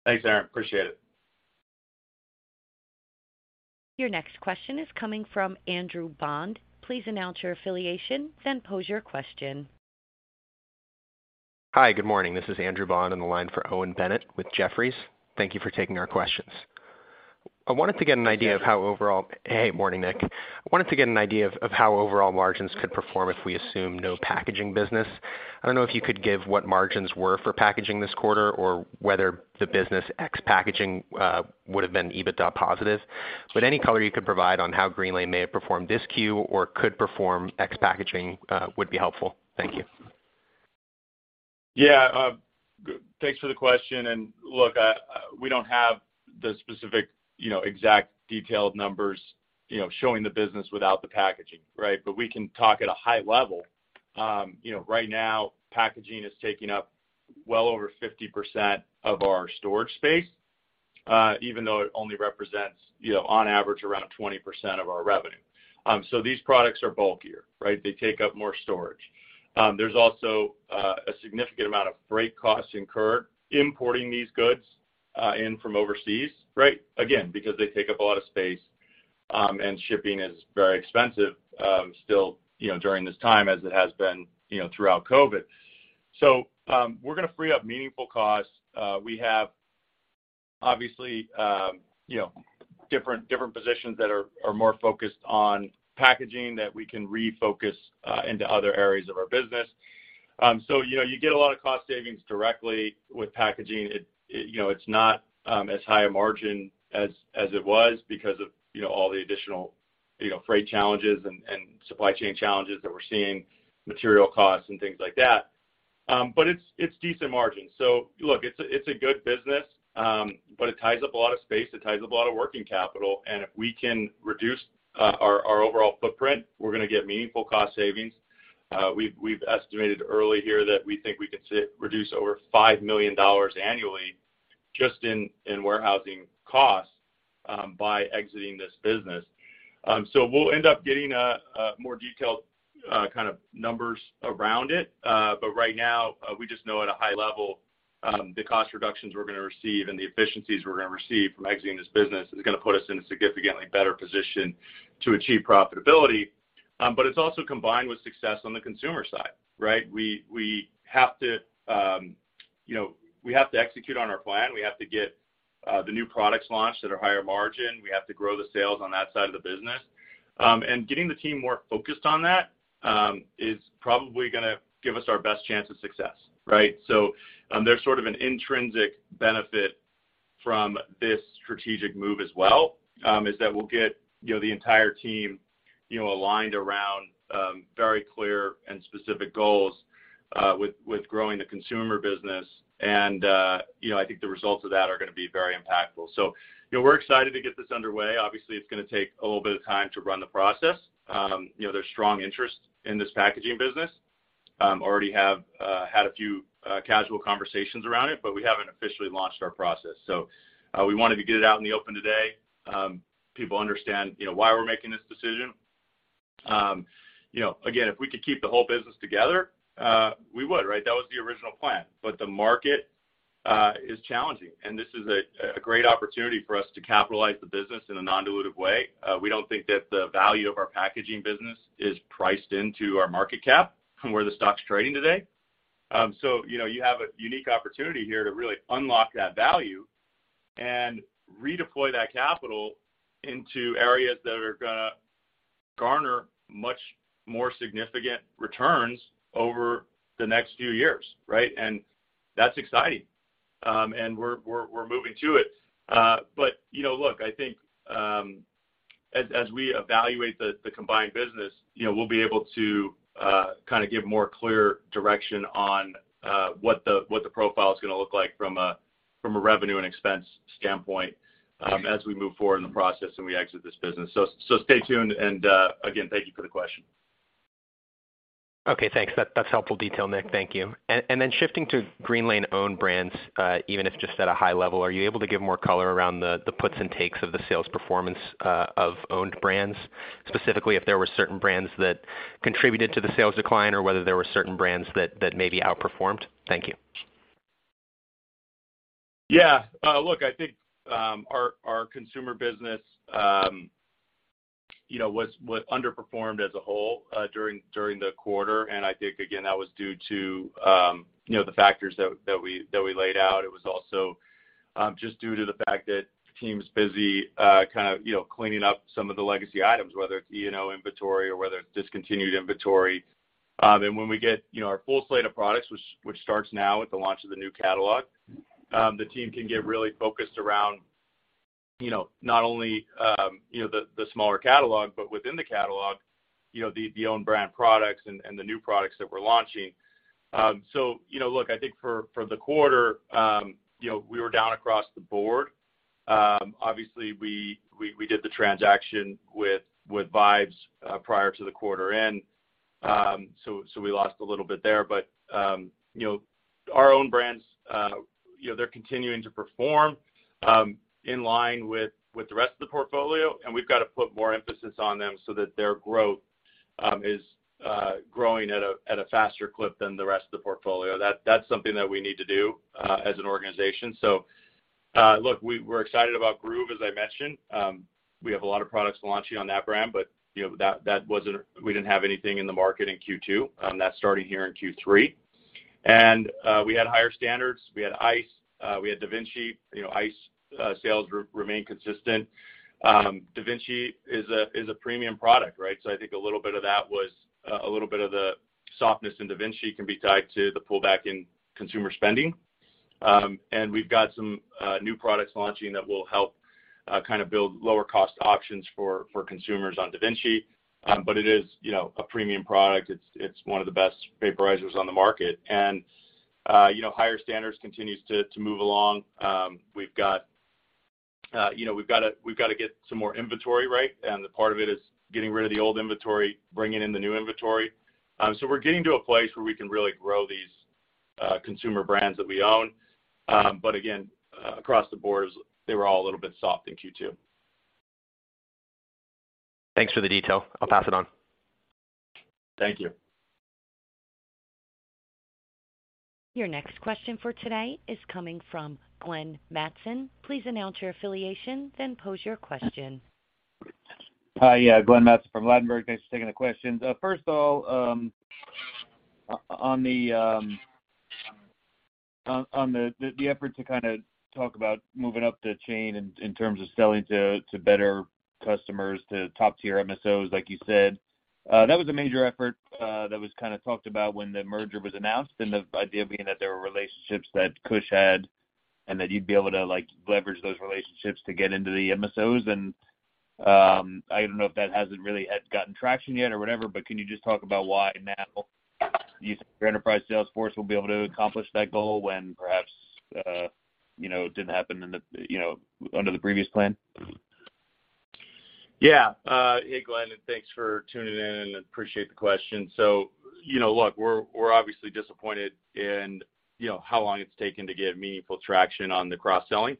Thanks, Aaron. Appreciate it. Your next question is coming from Andrew Bond. Please announce your affiliation, then pose your question. Hi, good morning. This is Andrew Bond on the line for Owen Bennett with Jefferies. Thank you for taking our questions. I wanted to get an idea of how overall. Hey, morning, Nick. I wanted to get an idea of how overall margins could perform if we assume no packaging business. I don't know if you could give what margins were for packaging this quarter or whether the business ex packaging would have been EBITDA positive. Any color you could provide on how Greenlane may have performed this Q or could perform ex packaging would be helpful. Thank you. Yeah. Thanks for the question. Look, we don't have the specific, you know, exact detailed numbers, you know, showing the business without the packaging, right? We can talk at a high level. You know, right now, packaging is taking up well over 50% of our storage space, even though it only represents, you know, on average, around 20% of our revenue. These products are bulkier, right? They take up more storage. There's also a significant amount of freight costs incurred importing these goods in from overseas, right? Again, because they take up a lot of space, and shipping is very expensive, still, you know, during this time as it has been, you know, throughout COVID. We're gonna free up meaningful costs. We have obviously, you know, different positions that are more focused on packaging that we can refocus into other areas of our business. You know, you get a lot of cost savings directly with packaging. You know, it's not as high a margin as it was because of, you know, all the additional, you know, freight challenges and supply chain challenges that we're seeing, material costs and things like that. But it's decent margin. Look, it's a good business, but it ties up a lot of space, it ties up a lot of working capital. If we can reduce our overall footprint, we're gonna get meaningful cost savings. We've estimated early here that we think we can reduce over $5 million annually just in warehousing costs by exiting this business. We'll end up getting a more detailed kind of numbers around it. Right now, we just know at a high level the cost reductions we're gonna receive and the efficiencies we're gonna receive from exiting this business is gonna put us in a significantly better position to achieve profitability. It's also combined with success on the consumer side, right? We have to, you know, execute on our plan. We have to get the new products launched at a higher margin. We have to grow the sales on that side of the business. Getting the team more focused on that is probably gonna give us our best chance of success, right? There's sort of an intrinsic benefit from this strategic move as well, is that we'll get, you know, the entire team, you know, aligned around very clear and specific goals with growing the consumer business. You know, I think the results of that are gonna be very impactful. You know, we're excited to get this underway. Obviously, it's gonna take a little bit of time to run the process. You know, there's strong interest in this packaging business. Already had a few casual conversations around it, but we haven't officially launched our process. We wanted to get it out in the open today, people understand, you know, why we're making this decision. You know, again, if we could keep the whole business together, we would, right? That was the original plan. The market is challenging, and this is a great opportunity for us to capitalize the business in a non-dilutive way. We don't think that the value of our packaging business is priced into our market cap from where the stock's trading today. You know, you have a unique opportunity here to really unlock that value and redeploy that capital into areas that are gonna garner much more significant returns over the next few years, right? That's exciting. We're moving to it. You know, look, I think, as we evaluate the combined business, you know, we'll be able to kind of give more clear direction on what the profile is gonna look like from a revenue and expense standpoint, as we move forward in the process and we exit this business. So stay tuned and again, thank you for the question. Okay, thanks. That's helpful detail, Nick. Thank you. Shifting to Greenlane-owned brands, even if just at a high level, are you able to give more color around the puts and takes of the sales performance of owned brands? Specifically, if there were certain brands that contributed to the sales decline or whether there were certain brands that maybe outperformed. Thank you. Yeah. Look, I think our consumer business, you know, was well underperformed as a whole, during the quarter. I think again, that was due to you know, the factors that we laid out. It was also just due to the fact that the team's busy, kind of, you know, cleaning up some of the legacy items, whether it's E&O inventory or whether it's discontinued inventory. When we get you know, our full slate of products, which starts now with the launch of the new catalog, the team can get really focused around, you know, not only you know, the smaller catalog, but within the catalog, you know, the own brand products and the new products that we're launching. You know, look, I think for the quarter, you know, we were down across the board. Obviously we did the transaction with VIBES prior to the quarter end. So we lost a little bit there. You know, our own brands, you know, they're continuing to perform in line with the rest of the portfolio, and we've got to put more emphasis on them so that their growth is growing at a faster clip than the rest of the portfolio. That's something that we need to do as an organization. Look, we're excited about Groove, as I mentioned. We have a lot of products launching on that brand, but you know, that wasn't. We didn't have anything in the market in Q2. That's starting here in Q3. We had Higher Standards. We had Eyce, we had DaVinci. You know, Eyce sales remain consistent. DaVinci is a premium product, right? I think a little bit of that was a little bit of the softness in DaVinci can be tied to the pullback in consumer spending. We've got some new products launching that will help kind of build lower-cost options for consumers on DaVinci. It is a premium product, you know. It's one of the best vaporizers on the market. You know, Higher Standards continues to move along. You know, we've got to get some more inventory, right? The part of it is getting rid of the old inventory, bringing in the new inventory. We're getting to a place where we can really grow these consumer brands that we own. Again, across the board, they were all a little bit soft in Q2. Thanks for the detail. I'll pass it on. Thank you. Your next question for today is coming from Glenn Mattson. Please announce your affiliation, then pose your question. Hi. Yeah, Glenn Mattson from Ladenburg Thalmann. Thanks for taking the question. First of all, on the effort to kinda talk about moving up the chain in terms of selling to better customers, to top-tier MSOs, like you said, that was a major effort that was kinda talked about when the merger was announced and the idea being that there were relationships that Kush had and that you'd be able to, like, leverage those relationships to get into the MSOs. I don't know if that hasn't really had gotten traction yet or whatever, but can you just talk about why now you think your enterprise sales force will be able to accomplish that goal when perhaps, you know, it didn't happen under the previous plan? Yeah. Hey, Glenn, and thanks for tuning in, and appreciate the question. You know, look, we're obviously disappointed in you know, how long it's taken to get meaningful traction on the cross-selling.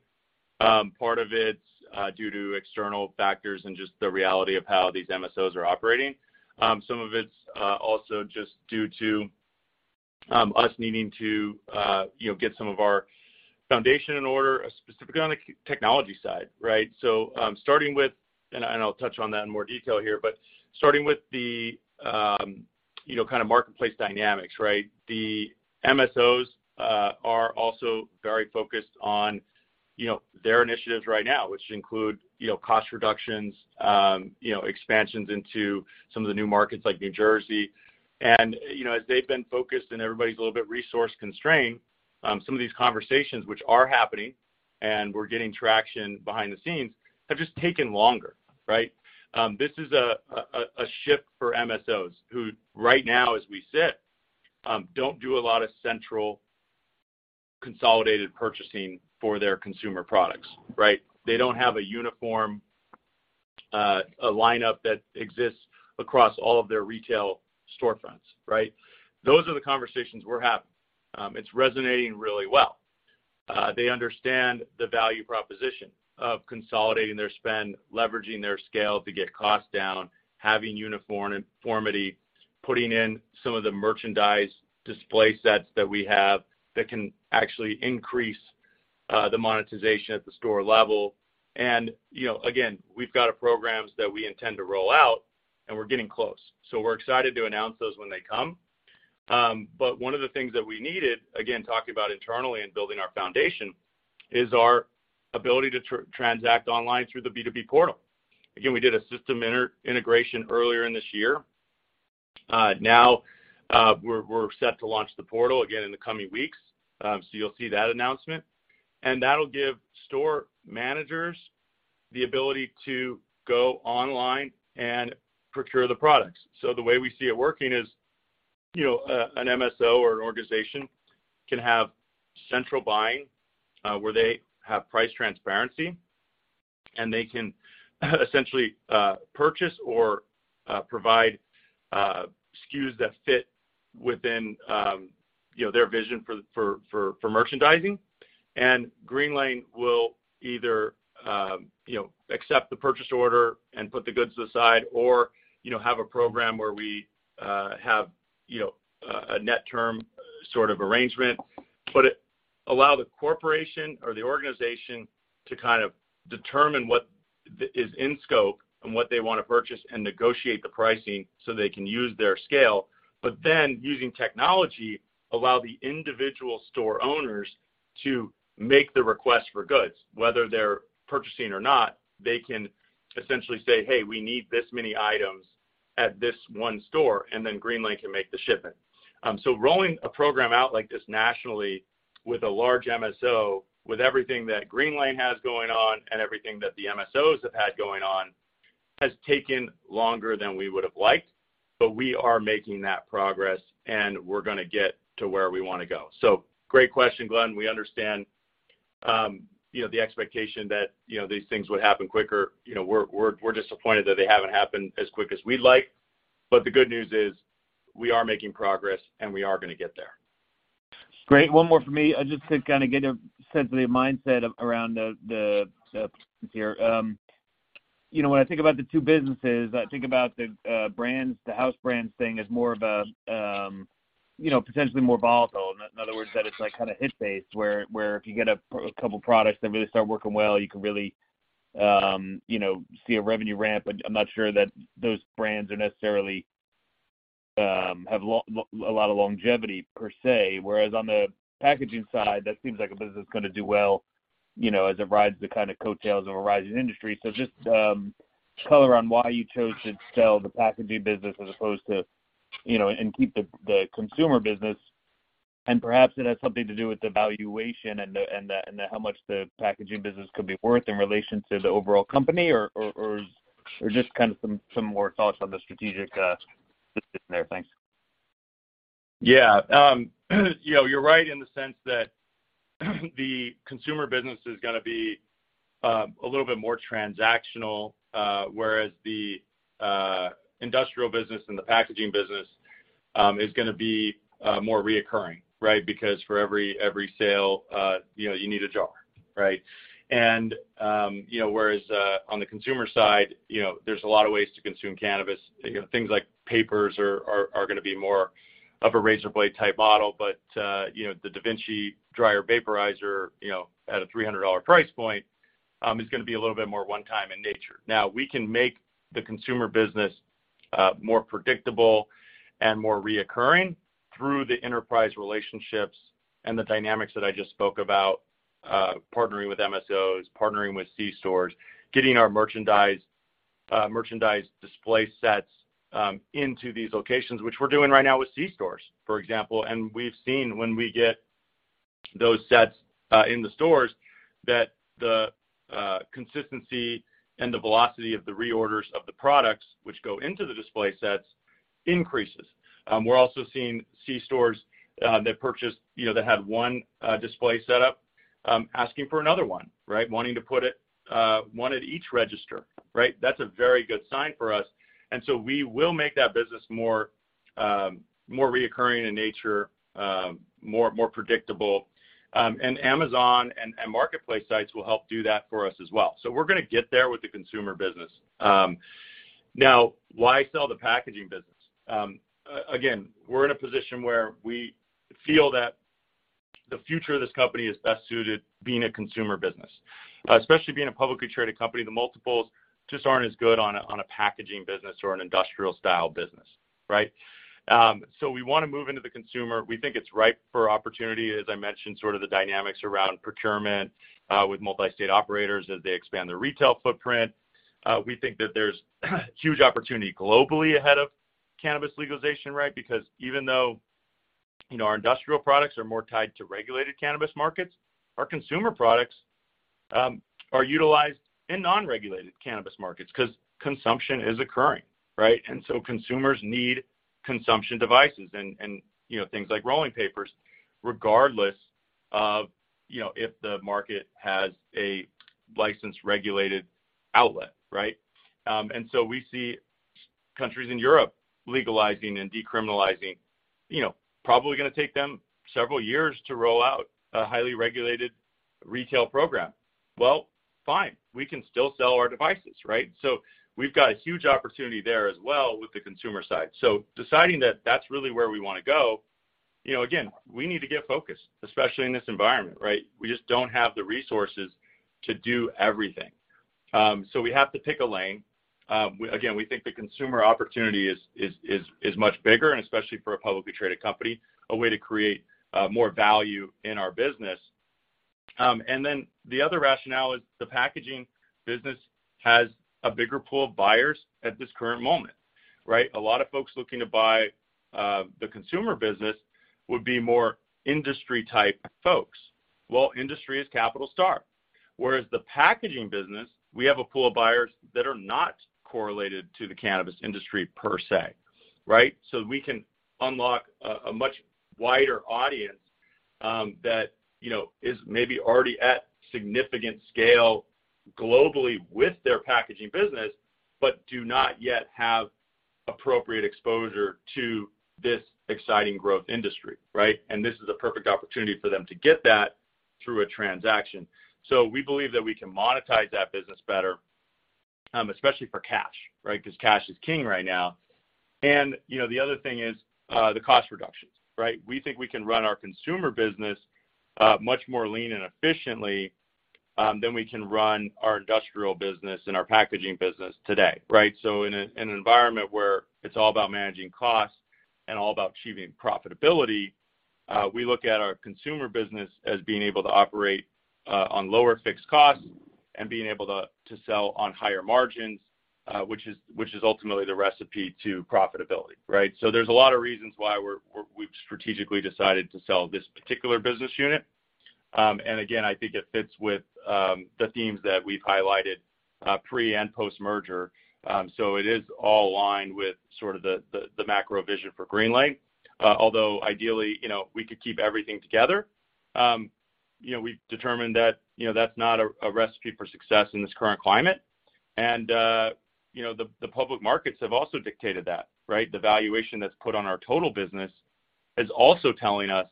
Part of it's due to external factors and just the reality of how these MSOs are operating. Some of it's also just due to us needing to you know, get some of our foundation in order, specifically on the technology side, right? I'll touch on that in more detail here, but starting with the you know, kind of marketplace dynamics, right? The MSOs are also very focused on you know, their initiatives right now, which include you know, cost reductions, you know, expansions into some of the new markets like New Jersey. You know, as they've been focused and everybody's a little bit resource-constrained, some of these conversations which are happening and we're getting traction behind the scenes, have just taken longer, right? This is a shift for MSOs who right now, as we sit, don't do a lot of central consolidated purchasing for their consumer products, right? They don't have a uniform lineup that exists across all of their retail storefronts, right? Those are the conversations we're having. It's resonating really well. They understand the value proposition of consolidating their spend, leveraging their scale to get costs down, having uniform uniformity, putting in some of the merchandise display sets that we have that can actually increase the monetization at the store level. You know, again, we've got programs that we intend to roll out, and we're getting close. We're excited to announce those when they come. One of the things that we needed, again, talking about internally and building our foundation, is our ability to transact online through the B2B portal. Again, we did a system integration earlier in this year. Now, we're set to launch the portal again in the coming weeks, so you'll see that announcement. That'll give store managers the ability to go online and procure the products. The way we see it working is, you know, an MSO or an organization can have central buying, where they have price transparency, and they can essentially purchase or provide SKUs that fit within, you know, their vision for merchandising. Greenlane will either, you know, accept the purchase order and put the goods to the side or, you know, have a program where we have, you know, a net term sort of arrangement. It allows the corporation or the organization to kind of determine what is in scope and what they wanna purchase and negotiate the pricing so they can use their scale. Then using technology, allows the individual store owners to make the request for goods. Whether they're purchasing or not, they can essentially say, "Hey, we need this many items at this one store," and then Greenlane can make the shipment. Rolling a program out like this nationally with a large MSO, with everything that Greenlane has going on and everything that the MSOs have had going on, has taken longer than we would have liked. We are making that progress, and we're gonna get to where we wanna go. Great question, Glenn. We understand, you know, the expectation that, you know, these things would happen quicker. You know, we're disappointed that they haven't happened as quick as we'd like. The good news is, we are making progress, and we are gonna get there. Great. One more for me, just to kind of get a sense of the mindset around there. You know, when I think about the two businesses, I think about the brands, the house brands thing as more of a, you know, potentially more volatile. In other words, that it's like kind of hit-based, where if you get a couple products that really start working well, you can really see a revenue ramp. But I'm not sure that those brands are necessarily have a lot of longevity per se. Whereas on the packaging side, that seems like a business gonna do well, you know, as it rides the kind of coattails of a rising industry. Just color on why you chose to sell the packaging business as opposed to, you know, and keep the consumer business. Perhaps it has something to do with the valuation and how much the packaging business could be worth in relation to the overall company or is just kind of some more thoughts on the strategic there. Thanks. Yeah. You know, you're right in the sense that the consumer business is gonna be a little bit more transactional, whereas the industrial business and the packaging business is gonna be more recurring, right? Because for every sale, you know, you need a jar, right? You know, whereas on the consumer side, you know, there's a lot of ways to consume cannabis. You know, things like papers are gonna be more of a razor blade type model, but you know, the DaVinci dry herb vaporizer, you know, at a $300 price point, is gonna be a little bit more one time in nature. Now, we can make the consumer business more predictable and more recurring through the enterprise relationships and the dynamics that I just spoke about, partnering with MSOs, partnering with C-stores, getting our merchandise display sets into these locations, which we're doing right now with C-stores, for example. We've seen when we get those sets in the stores, that the consistency and the velocity of the reorders of the products which go into the display sets increases. We're also seeing C-stores that purchased, you know, that had one display set up, asking for another one, right? Wanting to put it one at each register, right? That's a very good sign for us. We will make that business more recurring in nature, more predictable. Amazon and marketplace sites will help do that for us as well. We're gonna get there with the consumer business. Now, why sell the packaging business? Again, we're in a position where we feel that the future of this company is best suited being a consumer business. Especially being a publicly traded company, the multiples just aren't as good on a packaging business or an industrial style business, right? We wanna move into the consumer. We think it's ripe for opportunity, as I mentioned, sort of the dynamics around procurement with multi-state operators as they expand their retail footprint. We think that there's huge opportunity globally ahead of cannabis legalization, right? Because even though, you know, our industrial products are more tied to regulated cannabis markets, our consumer products are utilized in non-regulated cannabis markets 'cause consumption is occurring, right? Consumers need consumption devices and, you know, things like rolling papers, regardless of, you know, if the market has a licensed regulated outlet, right? We see countries in Europe legalizing and decriminalizing, you know, probably gonna take them several years to roll out a highly regulated retail program. Well, fine. We can still sell our devices, right? We've got a huge opportunity there as well with the consumer side. Deciding that that's really where we wanna go, you know, again, we need to get focused, especially in this environment, right? We just don't have the resources to do everything. We have to pick a lane. We think the consumer opportunity is much bigger and especially for a publicly traded company, a way to create more value in our business. The other rationale is the packaging business has a bigger pool of buyers at this current moment, right? A lot of folks looking to buy the consumer business would be more industry-type folks. Well, industry is capital-starved, whereas the packaging business, we have a pool of buyers that are not correlated to the cannabis industry per se, right? We can unlock a much wider audience that you know is maybe already at significant scale globally with their packaging business, but do not yet have appropriate exposure to this exciting growth industry, right? This is a perfect opportunity for them to get that through a transaction. We believe that we can monetize that business better, especially for cash, right? Because cash is king right now. You know, the other thing is, the cost reductions, right? We think we can run our consumer business much more lean and efficiently than we can run our industrial business and our packaging business today, right? In an environment where it's all about managing costs and all about achieving profitability, we look at our consumer business as being able to operate on lower fixed costs and being able to sell on higher margins, which is ultimately the recipe to profitability, right? There's a lot of reasons why we've strategically decided to sell this particular business unit. Again, I think it fits with the themes that we've highlighted pre- and post-merger. It is all aligned with sort of the macro vision for Greenlane. Although ideally, you know, we could keep everything together, you know, we've determined that, you know, that's not a recipe for success in this current climate. You know, the public markets have also dictated that, right? The valuation that's put on our total business is also telling us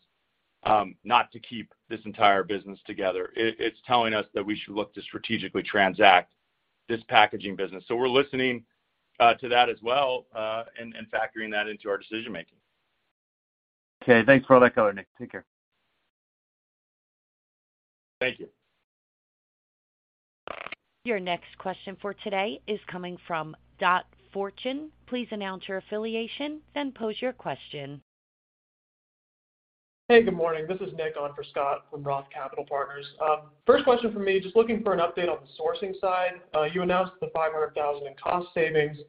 not to keep this entire business together. It's telling us that we should look to strategically transact this packaging business. We're listening to that as well and factoring that into our decision-making. Okay. Thanks for all that color, Nick. Take care. Thank you. Your next question for today is coming from Scott Fortune. Please announce your affiliation, then pose your question. Hey, good morning. This is Nick on for Scott from Roth Capital Partners. First question for me, just looking for an update on the sourcing side. You announced the $500,000 in cost savings. I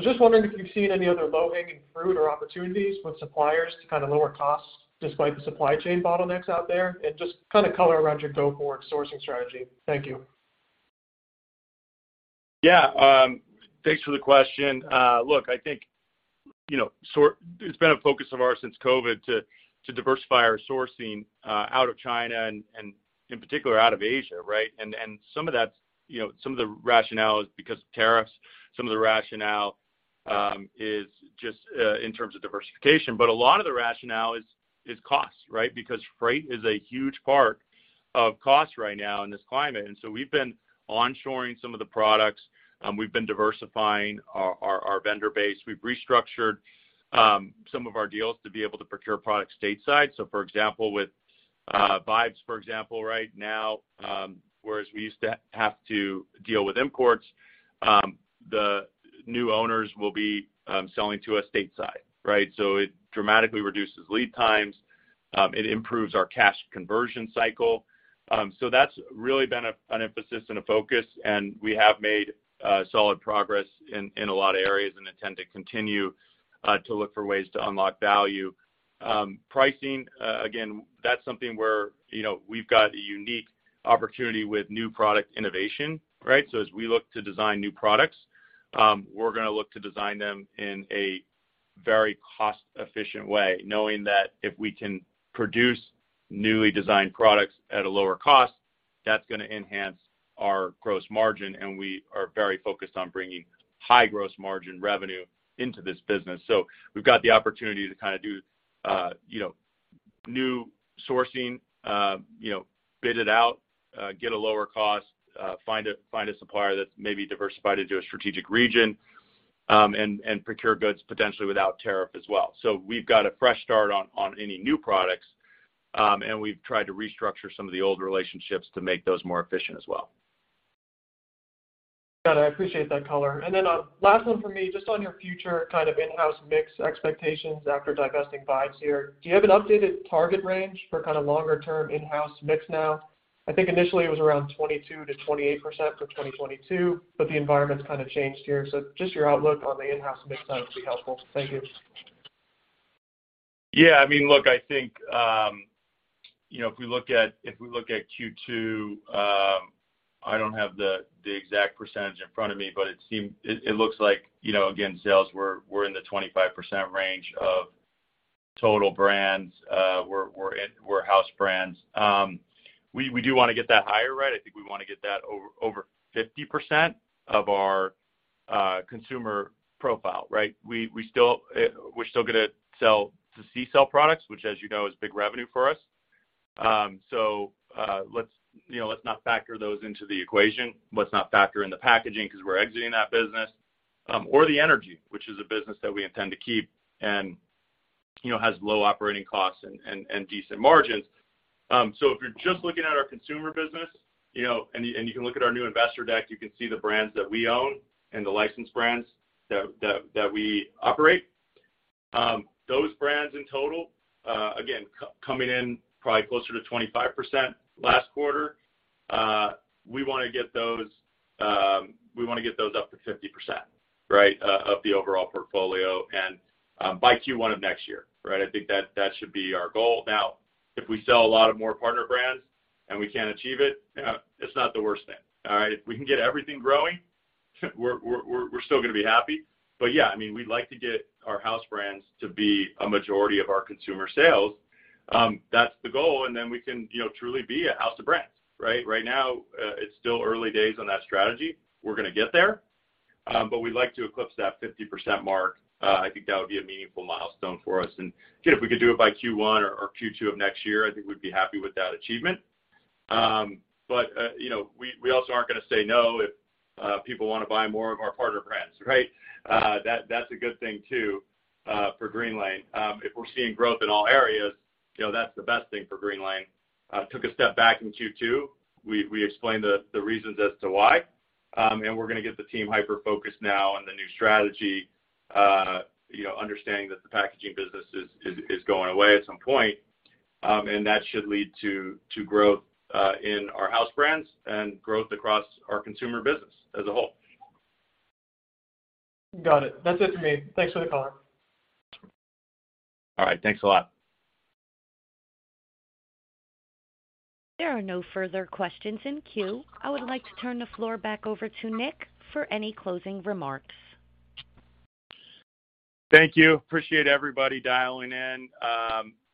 was just wondering if you've seen any other low-hanging fruit or opportunities with suppliers to kind of lower costs despite the supply chain bottlenecks out there, and just kind of color around your go-forward sourcing strategy. Thank you. Yeah, thanks for the question. Look, I think, you know, it's been a focus of ours since COVID to diversify our sourcing out of China and in particular out of Asia, right? Some of that, you know, some of the rationale is because of tariffs, some of the rationale is just in terms of diversification. A lot of the rationale is cost, right? Because freight is a huge part of cost right now in this climate. We've been onshoring some of the products. We've been diversifying our vendor base. We've restructured some of our deals to be able to procure products stateside. For example, with VIBES, for example, right now, whereas we used to have to deal with imports, the new owners will be selling to us stateside, right? It dramatically reduces lead times. It improves our cash conversion cycle. That's really been an emphasis and a focus, and we have made solid progress in a lot of areas and intend to continue to look for ways to unlock value. Pricing, again, that's something where, you know, we've got a unique opportunity with new product innovation, right? As we look to design new products, we're gonna look to design them in a very cost-efficient way, knowing that if we can produce newly designed products at a lower cost, that's gonna enhance our gross margin, and we are very focused on bringing high gross margin revenue into this business. We've got the opportunity to kind of do you know new sourcing you know bid it out get a lower cost find a supplier that's maybe diversified into a strategic region and procure goods potentially without tariff as well. We've got a fresh start on any new products and we've tried to restructure some of the old relationships to make those more efficient as well. Got it. I appreciate that color. Last one for me, just on your future kind of in-house mix expectations after digesting VIBES here. Do you have an updated target range for kind of longer-term in-house mix now? I think initially it was around 22%-28% for 2022, but the environment's kind of changed here. Just your outlook on the in-house mix now would be helpful. Thank you. Yeah, I mean, look, I think, you know, if we look at Q2, I don't have the exact percentage in front of me, but it looks like, you know, again, sales were in the 25% range of total brands were in warehouse brands. We do wanna get that higher, right? I think we wanna get that over 50% of our consumer profile, right? We're still gonna sell the CCELL products, which as you know, is big revenue for us. So, let's, you know, let's not factor those into the equation. Let's not factor in the packaging 'cause we're exiting that business. The energy, which is a business that we intend to keep and, you know, has low operating costs and decent margins. If you're just looking at our consumer business, you know, and you can look at our new investor deck, you can see the brands that we own and the licensed brands that we operate. Those brands in total, again, coming in probably closer to 25% last quarter. We wanna get those up to 50%, right? Of the overall portfolio and by Q1 of next year, right? I think that should be our goal. Now, if we sell a lot more partner brands and we can't achieve it's not the worst thing, all right? If we can get everything growing, we're still gonna be happy. Yeah, I mean, we'd like to get our house brands to be a majority of our consumer sales. That's the goal, and then we can, you know, truly be a house of brands, right? Right now, it's still early days on that strategy. We're gonna get there, but we'd like to eclipse that 50% mark. I think that would be a meaningful milestone for us. Again, if we could do it by Q1 or Q2 of next year, I think we'd be happy with that achievement. You know, we also aren't gonna say no if people wanna buy more of our partner brands, right? That's a good thing too, for Greenlane. If we're seeing growth in all areas, you know, that's the best thing for Greenlane. Took a step back in Q2. We explained the reasons as to why. We're gonna get the team hyper-focused now on the new strategy, you know, understanding that the packaging business is going away at some point. That should lead to growth in our house brands and growth across our consumer business as a whole. Got it. That's it for me. Thanks for the call. All right. Thanks a lot. There are no further questions in queue. I would like to turn the floor back over to Nick for any closing remarks. Thank you. Appreciate everybody dialing in,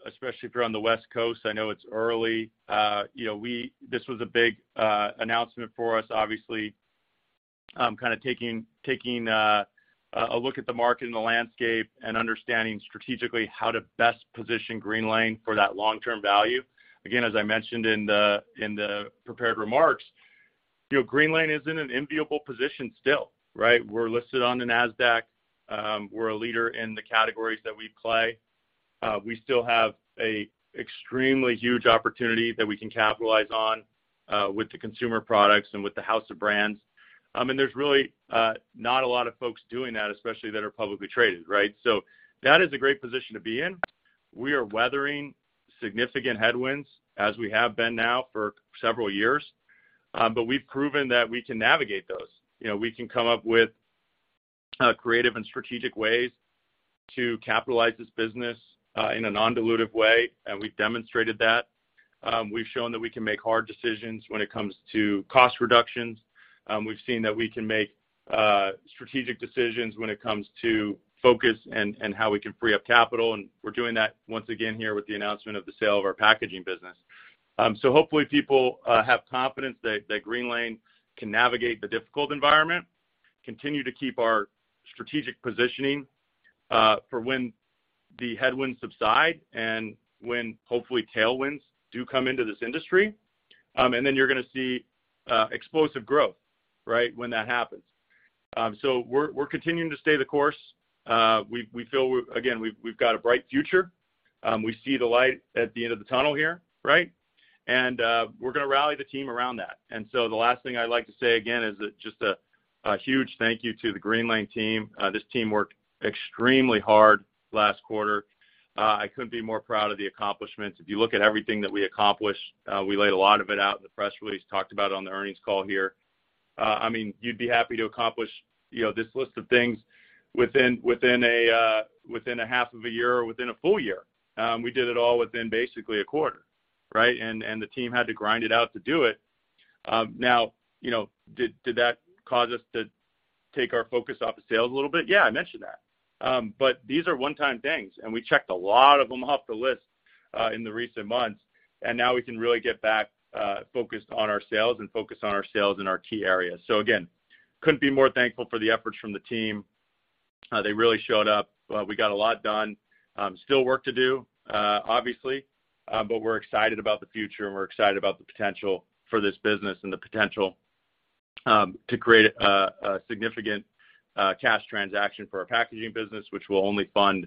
especially if you're on the West Coast. I know it's early. This was a big announcement for us, obviously. Kinda taking a look at the market and the landscape and understanding strategically how to best position Greenlane for that long-term value. Again, as I mentioned in the prepared remarks, you know, Greenlane is in an enviable position still, right? We're listed on the Nasdaq. We're a leader in the categories that we play. We still have a extremely huge opportunity that we can capitalize on with the consumer products and with the house of brands. There's really not a lot of folks doing that, especially that are publicly traded, right? That is a great position to be in. We are weathering significant headwinds as we have been now for several years. We've proven that we can navigate those. You know, we can come up with creative and strategic ways to capitalize this business in a non-dilutive way, and we've demonstrated that. We've shown that we can make hard decisions when it comes to cost reductions. We've seen that we can make strategic decisions when it comes to focus and how we can free up capital. We're doing that once again here with the announcement of the sale of our packaging business. Hopefully, people have confidence that Greenlane can navigate the difficult environment, continue to keep our strategic positioning for when the headwinds subside and when, hopefully, tailwinds do come into this industry. Then you're gonna see explosive growth, right, when that happens. We're continuing to stay the course. We feel, again, we've got a bright future. We see the light at the end of the tunnel here, right? We're gonna rally the team around that. The last thing I'd like to say again is just a huge thank you to the Greenlane team. This team worked extremely hard last quarter. I couldn't be more proud of the accomplishments. If you look at everything that we accomplished, we laid a lot of it out in the press release, talked about on the earnings call here. I mean, you'd be happy to accomplish, you know, this list of things within a half of a year or within a full year. We did it all within basically a quarter, right? The team had to grind it out to do it. Now, you know, did that cause us to take our focus off of sales a little bit? Yeah, I mentioned that. These are one-time things, and we checked a lot of them off the list, in the recent months. Now we can really get back, focused on our sales and focus on our sales in our key areas. Again, couldn't be more thankful for the efforts from the team. They really showed up. We got a lot done. Still work to do, obviously, but we're excited about the future and we're excited about the potential for this business and the potential to create a significant cash transaction for our packaging business, which will only fund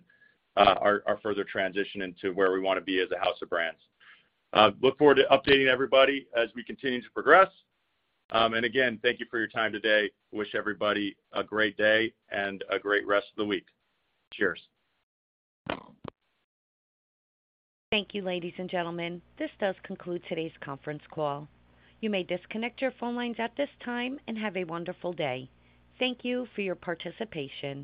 our further transition into where we wanna be as a house of brands. Look forward to updating everybody as we continue to progress. Again, thank you for your time today. Wish everybody a great day and a great rest of the week. Cheers. Thank you, ladies and gentlemen. This does conclude today's conference call. You may disconnect your phone lines at this time and have a wonderful day. Thank you for your participation.